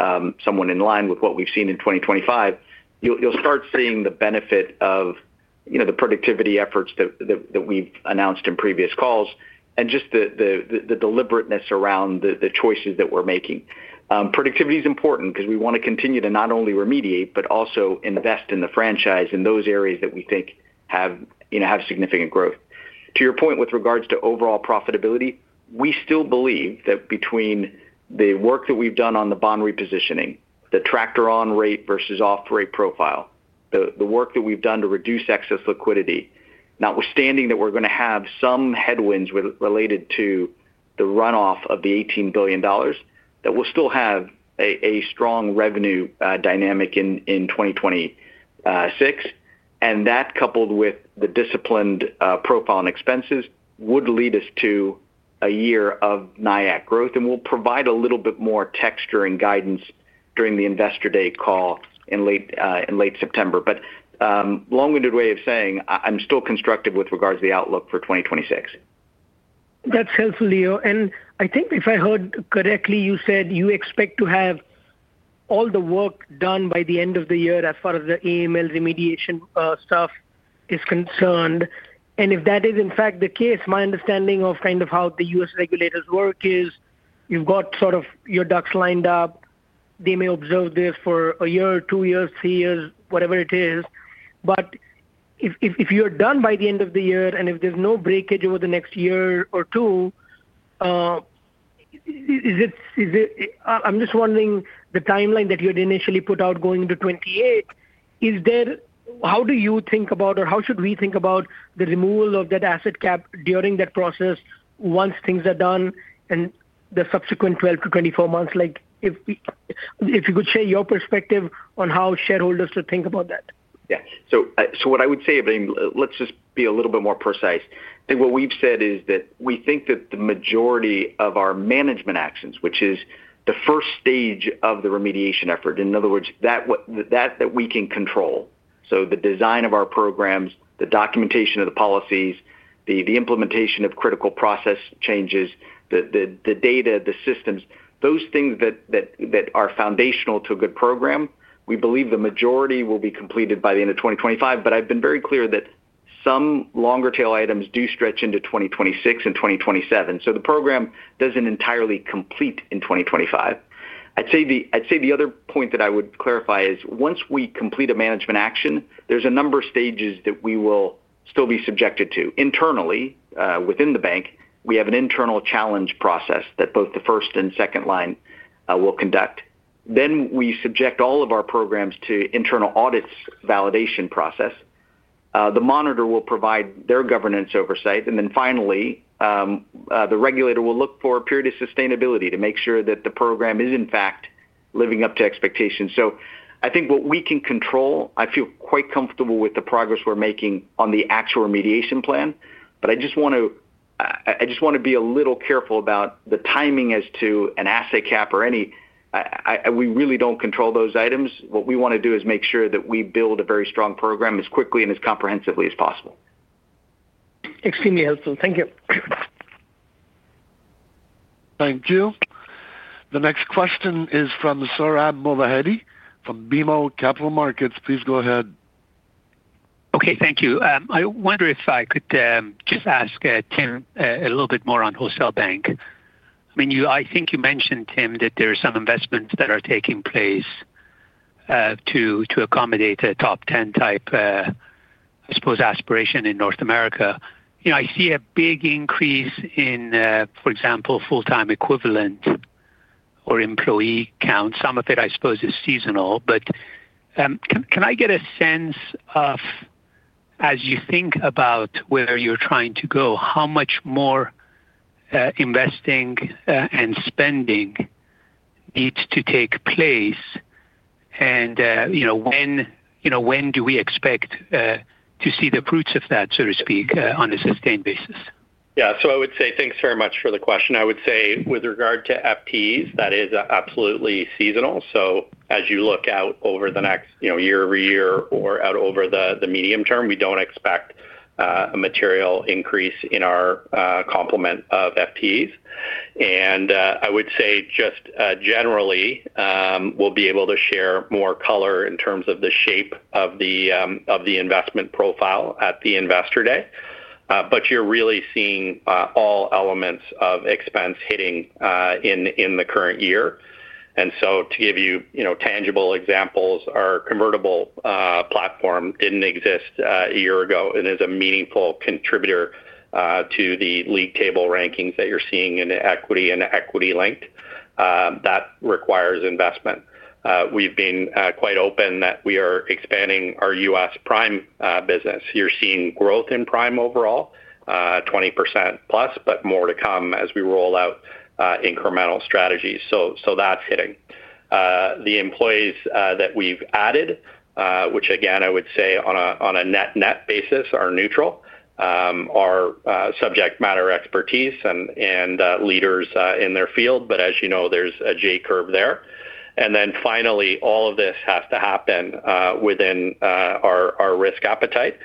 somewhat in line with what we've seen in 2025, you'll start seeing the benefit of the productivity efforts that we've announced in previous calls and just the deliberateness around the choices that we're making. Productivity is important because we want to continue to not only remediate, but also invest in the franchise in those areas that we think have significant growth. To your point with regards to overall profitability, we still believe that between the work that we've done on the bond repositioning, the tractor-on rate versus off-rate profile, the work that we've done to reduce excess liquidity, notwithstanding that we're going to have some headwinds related to the runoff of the CND 18 billion, we'll still have a strong revenue dynamic in 2026. That coupled with the disciplined profile and expenses would lead us to a year of NIAAC growth and will provide a little bit more texture and guidance during the Investor Day call in late September. A long-winded way of saying, I'm still constructive with regards to the outlook for 2026. That's helpful, Leo. I think if I heard correctly, you said you expect to have all the work done by the end of the year as far as the AML remediation stuff is concerned. If that is in fact the case, my understanding of kind of how the U.S. regulators work is you've got sort of your ducks lined up. They may observe this for a year, two years, three years, whatever it is. If you are done by the end of the year and if there's no breakage over the next year or two, I'm just wondering the timeline that you had initially put out going into 2028, how do you think about or how should we think about the removal of that asset cap during that process once things are done and the subsequent 12-24 months? If you could share your perspective on how shareholders should think about that. Yeah, so what I would say, Ibrahim, let's just be a little bit more precise. I think what we've said is that we think that the majority of our management actions, which is the first stage of the remediation effort, in other words, that we can control. The design of our programs, the documentation of the policies, the implementation of critical process changes, the data, the systems, those things that are foundational to a good program, we believe the majority will be completed by the end of 2025. I've been very clear that some longer tail items do stretch into 2026 and 2027. The program doesn't entirely complete in 2025. I'd say the other point that I would clarify is once we complete a management action, there's a number of stages that we will still be subjected to. Internally, within the bank, we have an internal challenge process that both the first and second line will conduct. We subject all of our programs to internal audits validation process. The monitor will provide their governance oversight. Finally, the regulator will look for a period of sustainability to make sure that the program is in fact living up to expectations. I think what we can control, I feel quite comfortable with the progress we're making on the actual remediation plan. I just want to be a little careful about the timing as to an asset cap or any. We really don't control those items. What we want to do is make sure that we build a very strong program as quickly and as comprehensively as possible. Extremely helpful. Thank you. Thank you. The next question is from Sohrab Movahedi from BMO Capital Markets. Please go ahead. Okay, thank you. I wonder if I could just ask Tim a little bit more on Wholesale Banking. I mean, I think you mentioned, Tim, that there are some investments that are taking place to accommodate a top 10 type, I suppose, aspiration in North America. I see a big increase in, for example, full-time equivalent or employee count. Some of it, I suppose, is seasonal. Can I get a sense of, as you think about where you're trying to go, how much more investing and spending needs to take place? You know, when do we expect to see the fruits of that, so to speak, on a sustained basis? Yeah, so I would say thanks very much for the question. I would say with regard to FTEs, that is absolutely seasonal. As you look out over the next year over year or out over the medium term, we don't expect a material increase in our complement of FTEs. I would say just generally, we'll be able to share more color in terms of the shape of the investment profile at the Investor Day. You're really seeing all elements of expense hitting in the current year. To give you tangible examples, our convertible platform didn't exist a year ago. It is a meaningful contributor to the league table rankings that you're seeing in the equity and the equity linked. That requires investment. We've been quite open that we are expanding our U.S. Prime business. You're seeing growth in Prime overall, 20%+, but more to come as we roll out incremental strategies. That's hitting. The employees that we've added, which again I would say on a net-net basis are neutral, are subject matter expertise and leaders in their field. As you know, there's a J curve there. Finally, all of this has to happen within our risk appetite.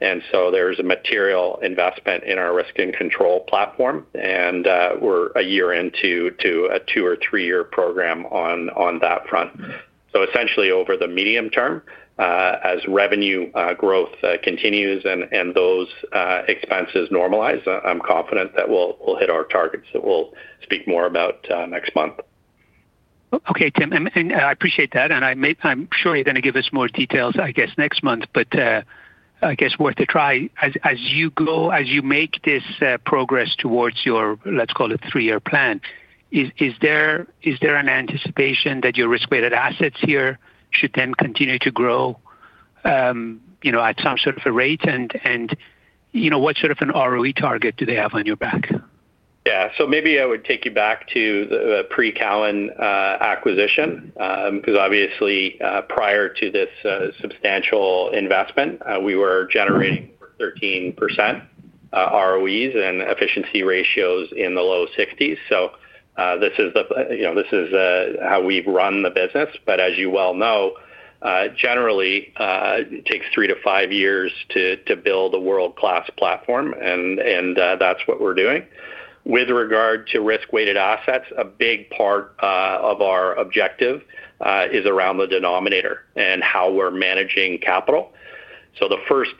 There's a material investment in our risk and control platform. We're a year into a two or three-year program on that front. Essentially over the medium term, as revenue growth continues and those expenses normalize, I'm confident that we'll hit our targets that we'll speak more about next month. Okay, Tim, I appreciate that. I'm sure you're going to give us more details, I guess, next month. I guess worth a try. As you make this progress towards your, let's call it, three-year plan, is there an anticipation that your risk-weighted assets here should then continue to grow at some sort of a rate? You know, what sort of an ROE target do they have on your back? Yeah, so maybe I would take you back to the pre-TD Cowen acquisition because obviously prior to this substantial investment, we were generating 13% ROEs and efficiency ratios in the low 60%. This is how we've run the business. As you well know, generally, it takes three to five years to build a world-class platform, and that's what we're doing. With regard to risk-weighted assets, a big part of our objective is around the denominator and how we're managing capital. The first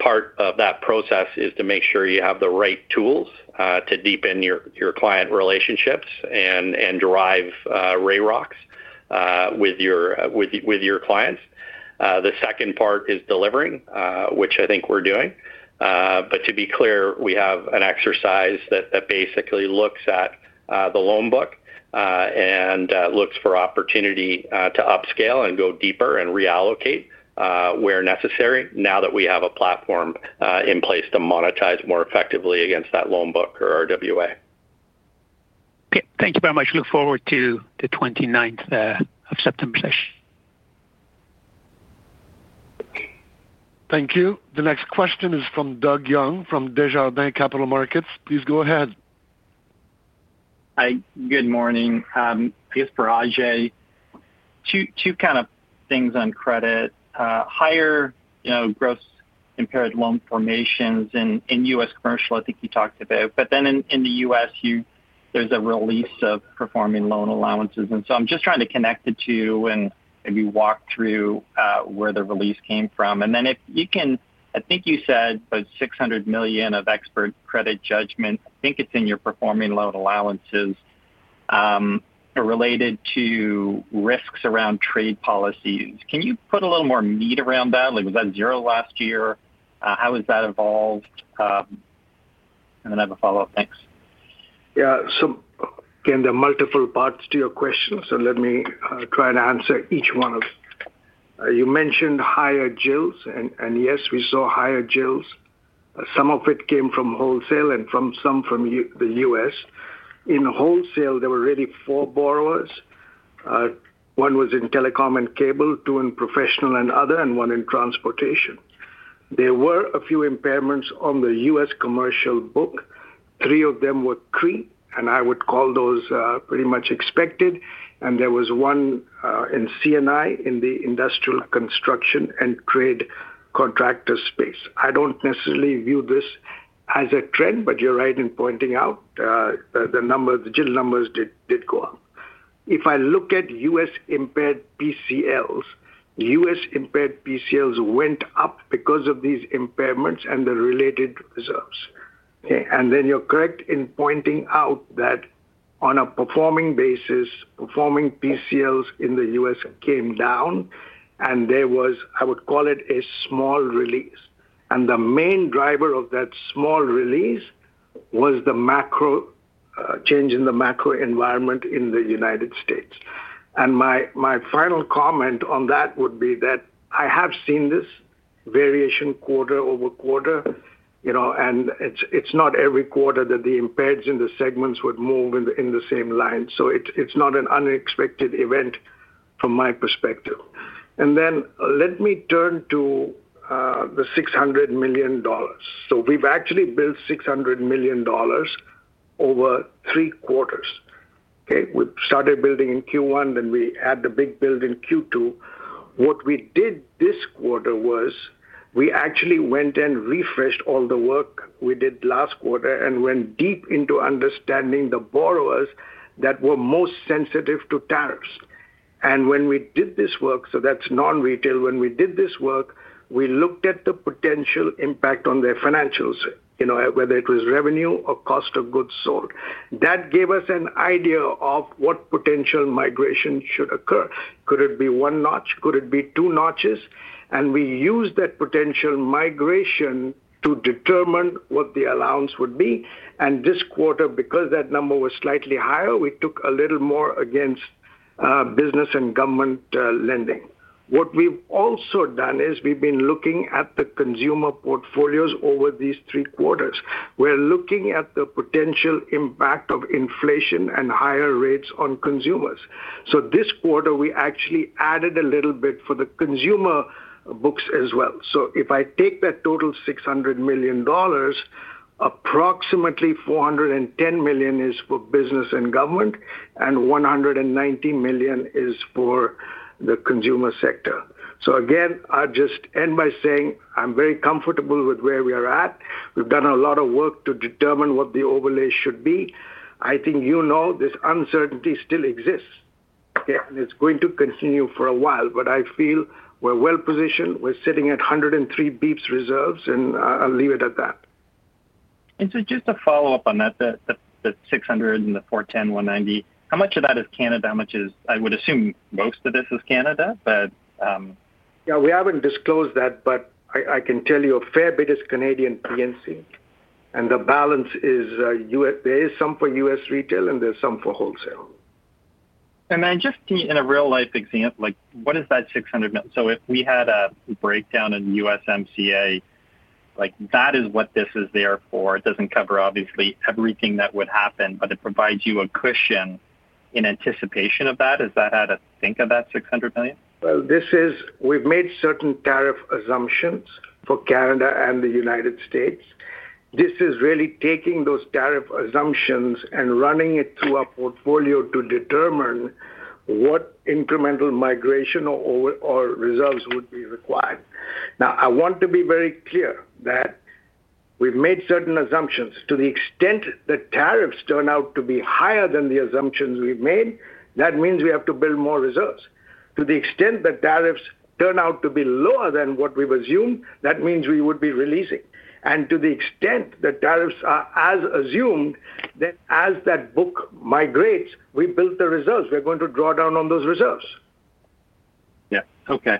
part of that process is to make sure you have the right tools to deepen your client relationships and drive railrocks with your clients. The second part is delivering, which I think we're doing. To be clear, we have an exercise that basically looks at the loan book and looks for opportunity to upscale and go deeper and reallocate where necessary now that we have a platform in place to monetize more effectively against that loan book or RWA. Okay, thank you very much. Look forward to the 29th of September. Thank you. The next question is from Doug Young from Desjardins Capital Markets. Please go ahead. Hi, good morning. I guess for Ajai, two kind of things on credit. Higher gross impaired loan formations in U.S. commercial, I think you talked about. In the U.S., there's a release of performing loan allowances. I'm just trying to connect the two and maybe walk through where the release came from. If you can, I think you said about CND 600 million of expert credit judgment, I think it's in your performing loan allowances related to risks around trade policies. Can you put a little more meat around that? Was that zero last year? How has that evolved? I have a follow-up. Thanks. Yeah, so again, there are multiple parts to your question. Let me try to answer each one of them. You mentioned higher JILs, and yes, we saw higher JILs. Some of it came from Wholesale and some from the U.S. In Wholesale, there were really four borrowers. One was in telecom and cable, two in professional and other, and one in transportation. There were a few impairments on the U.S. commercial book. Three of them were CRI, and I would call those pretty much expected. There was one in CNI in the industrial construction and trade contractor space. I don't necessarily view this as a trend, but you're right in pointing out the number, the JIL numbers did go up. If I look at U.S. impaired PCLs, U.S. impaired PCLs went up because of these impairments and the related reserves. You're correct in pointing out that on a performing basis, performing PCLs in the U.S. came down. There was, I would call it, a small release. The main driver of that small release was the change in the macro environment in the United States. My final comment on that would be that I have seen this variation quarter over quarter. It's not every quarter that the impaired in the segments would move in the same line. It's not an unexpected event from my perspective. Let me turn to the CND 600 million. We've actually built CND 600 million over three quarters. We started building in Q1, then we had the big build in Q2. What we did this quarter was we actually went and refreshed all the work we did last quarter and went deep into understanding the borrowers that were most sensitive to tariffs. When we did this work, so that's non-retail, we looked at the potential impact on their financials, whether it was revenue or cost of goods sold. That gave us an idea of what potential migration should occur. Could it be one notch? Could it be two notches? We used that potential migration to determine what the allowance would be. This quarter, because that number was slightly higher, we took a little more against business and government lending. We've also been looking at the consumer portfolios over these three quarters. We're looking at the potential impact of inflation and higher rates on consumers. This quarter, we actually added a little bit for the consumer books as well. If I take that total CND 600 million, approximately CND 410 million is for business and government, and CND 190 million is for the consumer sector. I'll just end by saying I'm very comfortable with where we are at. We've done a lot of work to determine what the overlay should be. I think you know this uncertainty still exists. It's going to continue for a while, but I feel we're well positioned. We're sitting at 103 bps reserves, and I'll leave it at that. Just to follow up on that, the CND 600 and the CND 410, CND 190, how much of that is Canada? I would assume most of this is Canada. Yeah, we haven't disclosed that, but I can tell you a fair bit is Canadian pre-insulated. The balance is there is some for U.S. Retail and there's some for Wholesale. Just in a real-life example, what is that CND 600 million? If we had a breakdown in the U.S.M.C.A., that is what this is there for. It does not cover everything that would happen, but it provides you a cushion in anticipation of that. Is that how to think of that CND 600 million? We have made certain tariff assumptions for Canada and the U.S. This is really taking those tariff assumptions and running it through our portfolio to determine what incremental migration or reserves would be required. I want to be very clear that we've made certain assumptions. To the extent that tariffs turn out to be higher than the assumptions we've made, that means we have to build more reserves. To the extent that tariffs turn out to be lower than what we've assumed, that means we would be releasing. To the extent that tariffs are as assumed, then as that book migrates, we build the reserves. We're going to draw down on those reserves. Okay.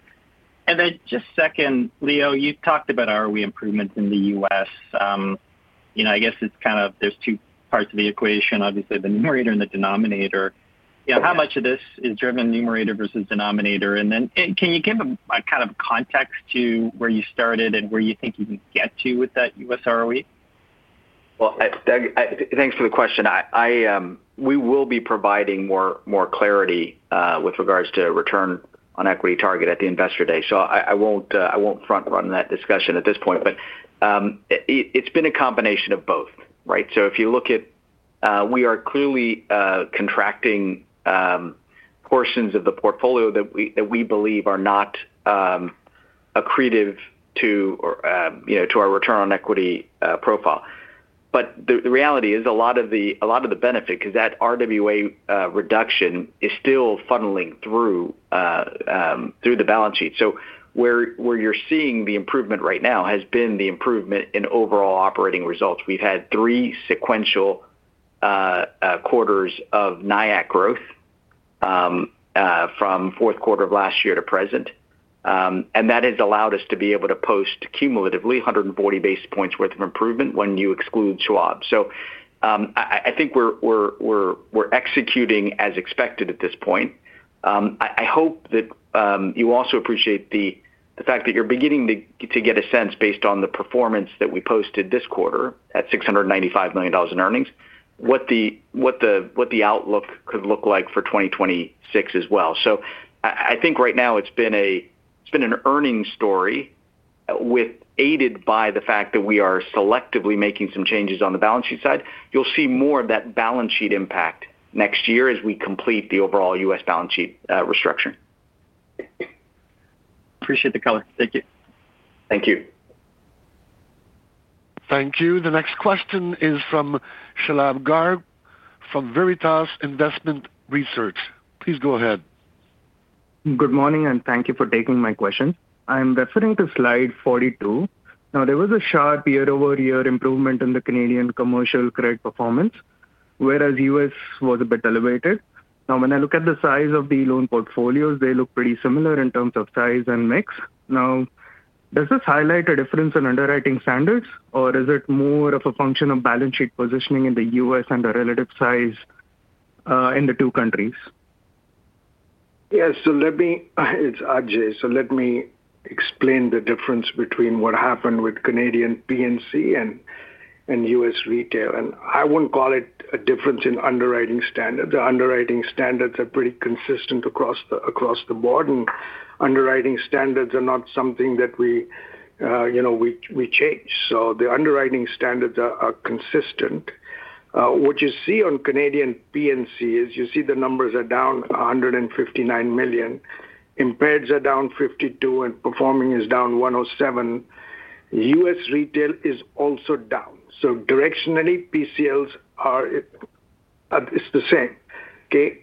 Leo, you talked about ROE improvements in the U.S. I guess it's kind of there's two parts of the equation, obviously the numerator and the denominator. How much of this is driven numerator versus denominator? Can you give a kind of context to where you started and where you think you can get to with that U.S. ROE? Thank you for the question. We will be providing more clarity with regards to return on equity target at the Investor Day. I won't front-run that discussion at this point. It's been a combination of both, right? If you look at it, we are clearly contracting portions of the portfolio that we believe are not accretive to our return on equity profile. The reality is a lot of the benefit because that RWA reduction is still funneling through the balance sheet. Where you're seeing the improvement right now has been the improvement in overall operating results. We've had three sequential quarters of NIAAC growth from the fourth quarter of last year to present, and that has allowed us to be able to post cumulatively 140 basis points worth of improvement when you exclude Schwab. I think we're executing as expected at this point. I hope that you also appreciate the fact that you're beginning to get a sense based on the performance that we posted this quarter at CND 695 million in earnings, what the outlook could look like for 2026 as well. I think right now it's been an earnings story aided by the fact that we are selectively making some changes on the balance sheet side. You'll see more of that balance sheet impact next year as we complete the overall U.S. balance sheet restructuring. Appreciate the caller. Thank you. Thank you. Thank you. The next question is from Shalabh Garg from Veritas Investment Research. Please go ahead. Good morning and thank you for taking my question. I'm referring to slide 42. There was a sharp year-over-year improvement in the Canadian commercial credit performance, whereas the U.S. was a bit elevated. When I look at the size of the loan portfolios, they look pretty similar in terms of size and mix. Does this highlight a difference in underwriting standards, or is it more of a function of balance sheet positioning in the U.S. and the relative size in the two countries? Yeah, let me, it's Ajai, let me explain the difference between what happened with Canadian Personal Banking and U.S. Retail. I wouldn't call it a difference in underwriting standards. The underwriting standards are pretty consistent across the board, and underwriting standards are not something that we change. The underwriting standards are consistent. What you see on Canadian Personal Banking is the numbers are down CND 159 million. Impaireds are down CND 52 million and performing is down CND 107 million. U.S. Retail is also down. Directionally, PCLs are the same,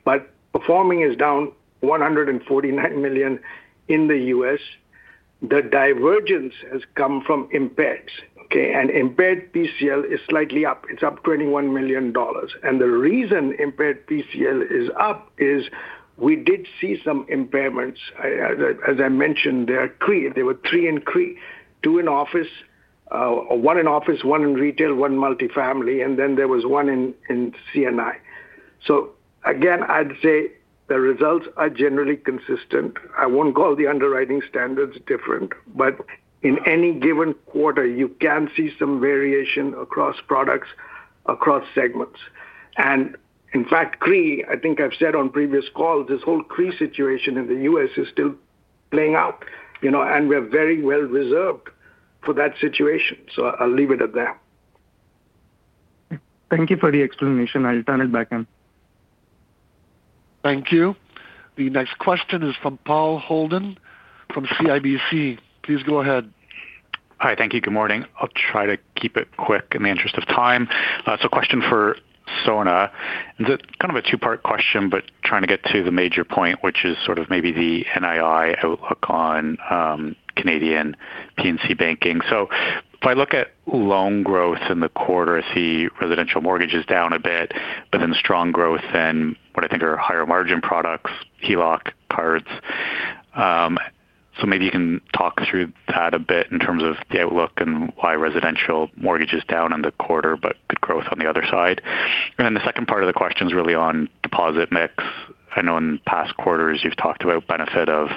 but performing is down CND 149 million in the U.S. The divergence has come from impaireds, and impaired PCL is slightly up. It's up CND 21 million. The reason impaired PCL is up is we did see some impairments. As I mentioned, there are CRI, there were three in CRI, two in office, one in office, one in retail, one multifamily, and then there was one in CNI. I'd say the results are generally consistent. I won't call the underwriting standards different, but in any given quarter, you can see some variation across products, across segments. In fact, CRI, I think I've said on previous calls, this whole CRI situation in the U.S. is still playing out, and we are very well reserved for that situation. I'll leave it at that. Thank you for the explanation. I'll turn it back in. Thank you. The next question is from Paul Holden from CIBC. Please go ahead. Hi, thank you. Good morning. I'll try to keep it quick in the interest of time. A question for Sona. It's kind of a two-part question, but trying to get to the major point, which is sort of maybe the NII outlook on Canadian Personal Banking. If I look at loan growth in the quarter, I see residential mortgages down a bit, but then strong growth in what I think are higher margin products, HELOC, cards. Maybe you can talk through that a bit in terms of the outlook and why residential mortgage is down in the quarter, but good growth on the other side. The second part of the question is really on deposit mix. I know in past quarters you've talked about the benefit of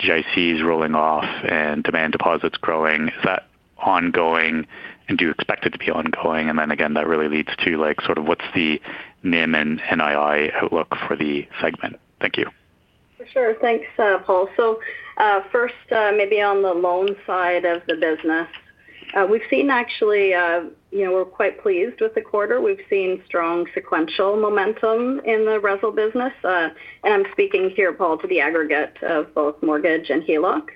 GICs rolling off and demand deposits growing. Is that ongoing and do you expect it to be ongoing? That really leads to what's the NIM and NII outlook for the segment. Thank you. For sure. Thanks, Paul. First, maybe on the loan side of the business, we've seen actually, you know, we're quite pleased with the quarter. We've seen strong sequential momentum in the RESL business. I'm speaking here, Paul, to the aggregate of both mortgage and HELOC.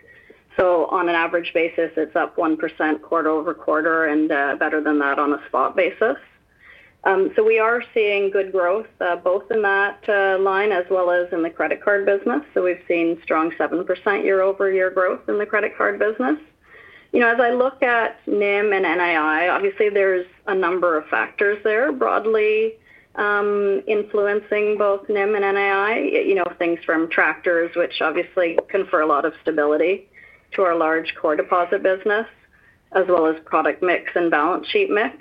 On an average basis, it's up 1% quarter over quarter and better than that on a spot basis. We are seeing good growth both in that line as well as in the credit card business. We've seen strong 7% year-over-year growth in the credit card business. As I look at NIM and NII, obviously there's a number of factors there broadly influencing both NIM and NII. Things from tractors, which obviously confer a lot of stability to our large core deposit business, as well as product mix and balance sheet mix.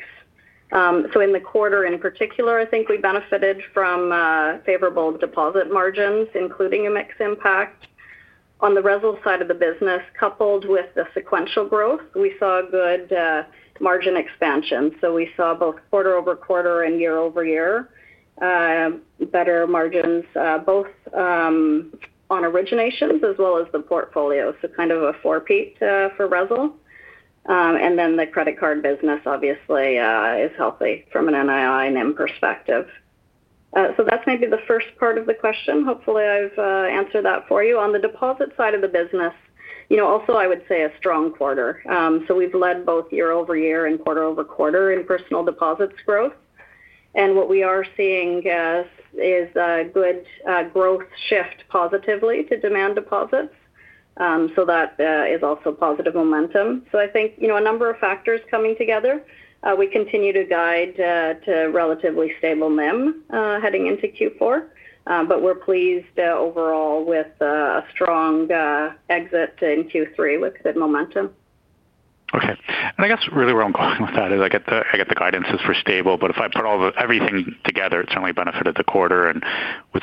In the quarter in particular, I think we benefited from favorable deposit margins, including a mix impact. On the RESL side of the business, coupled with the sequential growth, we saw a good margin expansion. We saw both quarter over quarter and year over year better margins both on originations as well as the portfolio. Kind of a four-peat for RESL. The credit card business obviously is healthy from an NII and NIM perspective. That's maybe the first part of the question. Hopefully, I have. On the deposit side of the business, I would say a strong quarter. We have led both year over year and quarter over quarter in personal deposits growth. What we are seeing is a good growth shift positively to demand deposits. That is also positive momentum. I think a number of factors are coming together. We continue to guide to relatively stable NIM heading into Q4. We are pleased overall with a strong exit in Q3 with good momentum. Okay. I guess really where I'm going with that is I get the guidance is for stable, but if I put everything together, it's only benefited the quarter.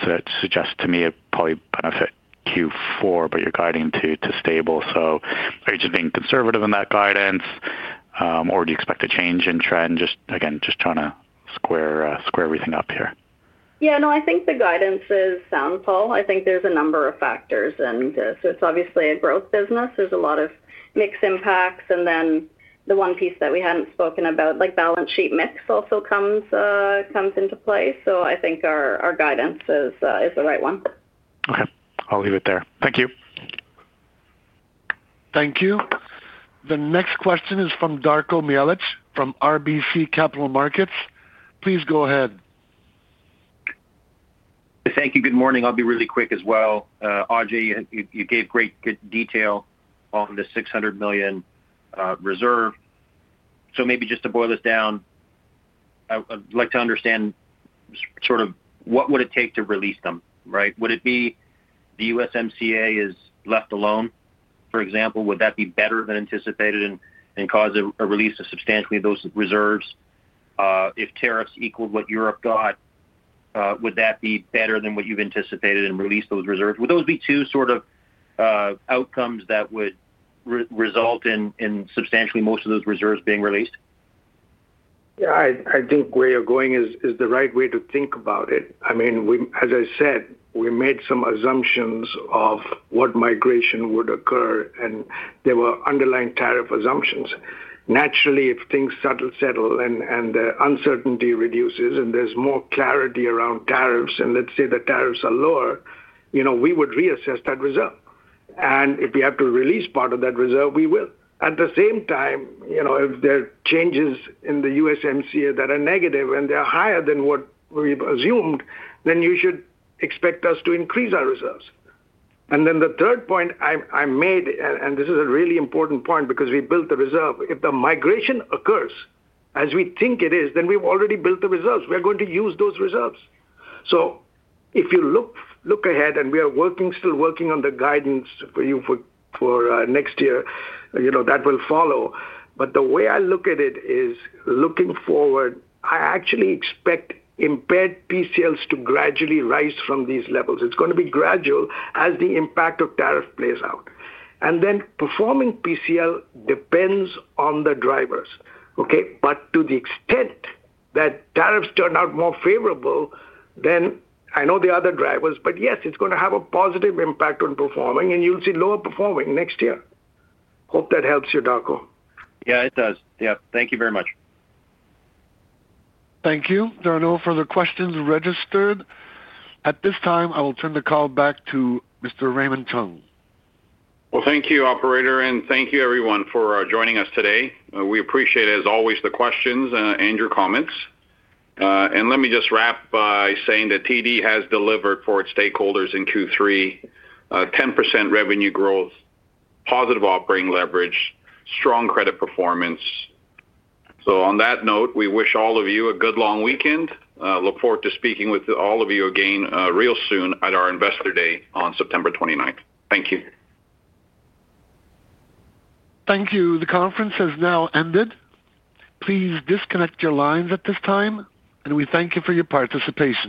That suggests to me it'd probably benefit Q4, but you're guiding to stable. Are you just being conservative in that guidance, or do you expect a change in trend? Just again, just trying to square everything up here. Yeah, no, I think the guidance is sound, Paul. I think there's a number of factors. It's obviously a growth business. There's a lot of mixed impacts. The one piece that we hadn't spoken about, like balance sheet mix, also comes into play. I think our guidance is the right one. Okay, I'll leave it there. Thank you. Thank you. The next question is from Darko Mihelic from RBC Capital Markets. Please go ahead. Thank you. Good morning. I'll be really quick as well. Ajai, you gave great detail on the CND 600 million reserve. To boil it down, I'd like to understand what would it take to release them, right? Would it be the USMCA is left alone, for example? Would that be better than anticipated and cause a release of substantially those reserves? If tariffs equaled what Europe got, would that be better than what you've anticipated and release those reserves? Would those be two outcomes that would result in substantially most of those reserves being released? Yeah, I think where you're going is the right way to think about it. I mean, as I said, we made some assumptions of what migration would occur and there were underlying tariff assumptions. Naturally, if things settle and the uncertainty reduces and there's more clarity around tariffs and let's say the tariffs are lower, you know, we would reassess that reserve. If we have to release part of that reserve, we will. At the same time, if there are changes in the USMCA that are negative and they're higher than what we've assumed, then you should expect us to increase our reserves. The third point I made, and this is a really important point because we built the reserve. If the migration occurs as we think it is, then we've already built the reserves. We're going to use those reserves. If you look ahead and we are still working on the guidance for you for next year, that will follow. The way I look at it is looking forward, I actually expect impaired PCLs to gradually rise from these levels. It's going to be gradual as the impact of tariff plays out. Performing PCL depends on the drivers. To the extent that tariffs turn out more favorable, then I know the other drivers, but yes, it's going to have a positive impact on performing and you'll see lower performing next year. Hope that helps you, Darko. Yeah, it does. Thank you very much. Thank you. There are no further questions registered. At this time, I will turn the call back to Mr. Raymond Chun. Thank you, Operator, and thank you everyone for joining us today. We appreciate it, as always, the questions and your comments. Let me just wrap by saying that TD has delivered for its stakeholders in Q3 with 10% revenue growth, positive operating leverage, strong credit performance. On that note, we wish all of you a good long weekend. Look forward to speaking with all of you again real soon at our Investor Day on September 29. Thank you. Thank you. The conference has now ended. Please disconnect your lines at this time, and we thank you for your participation.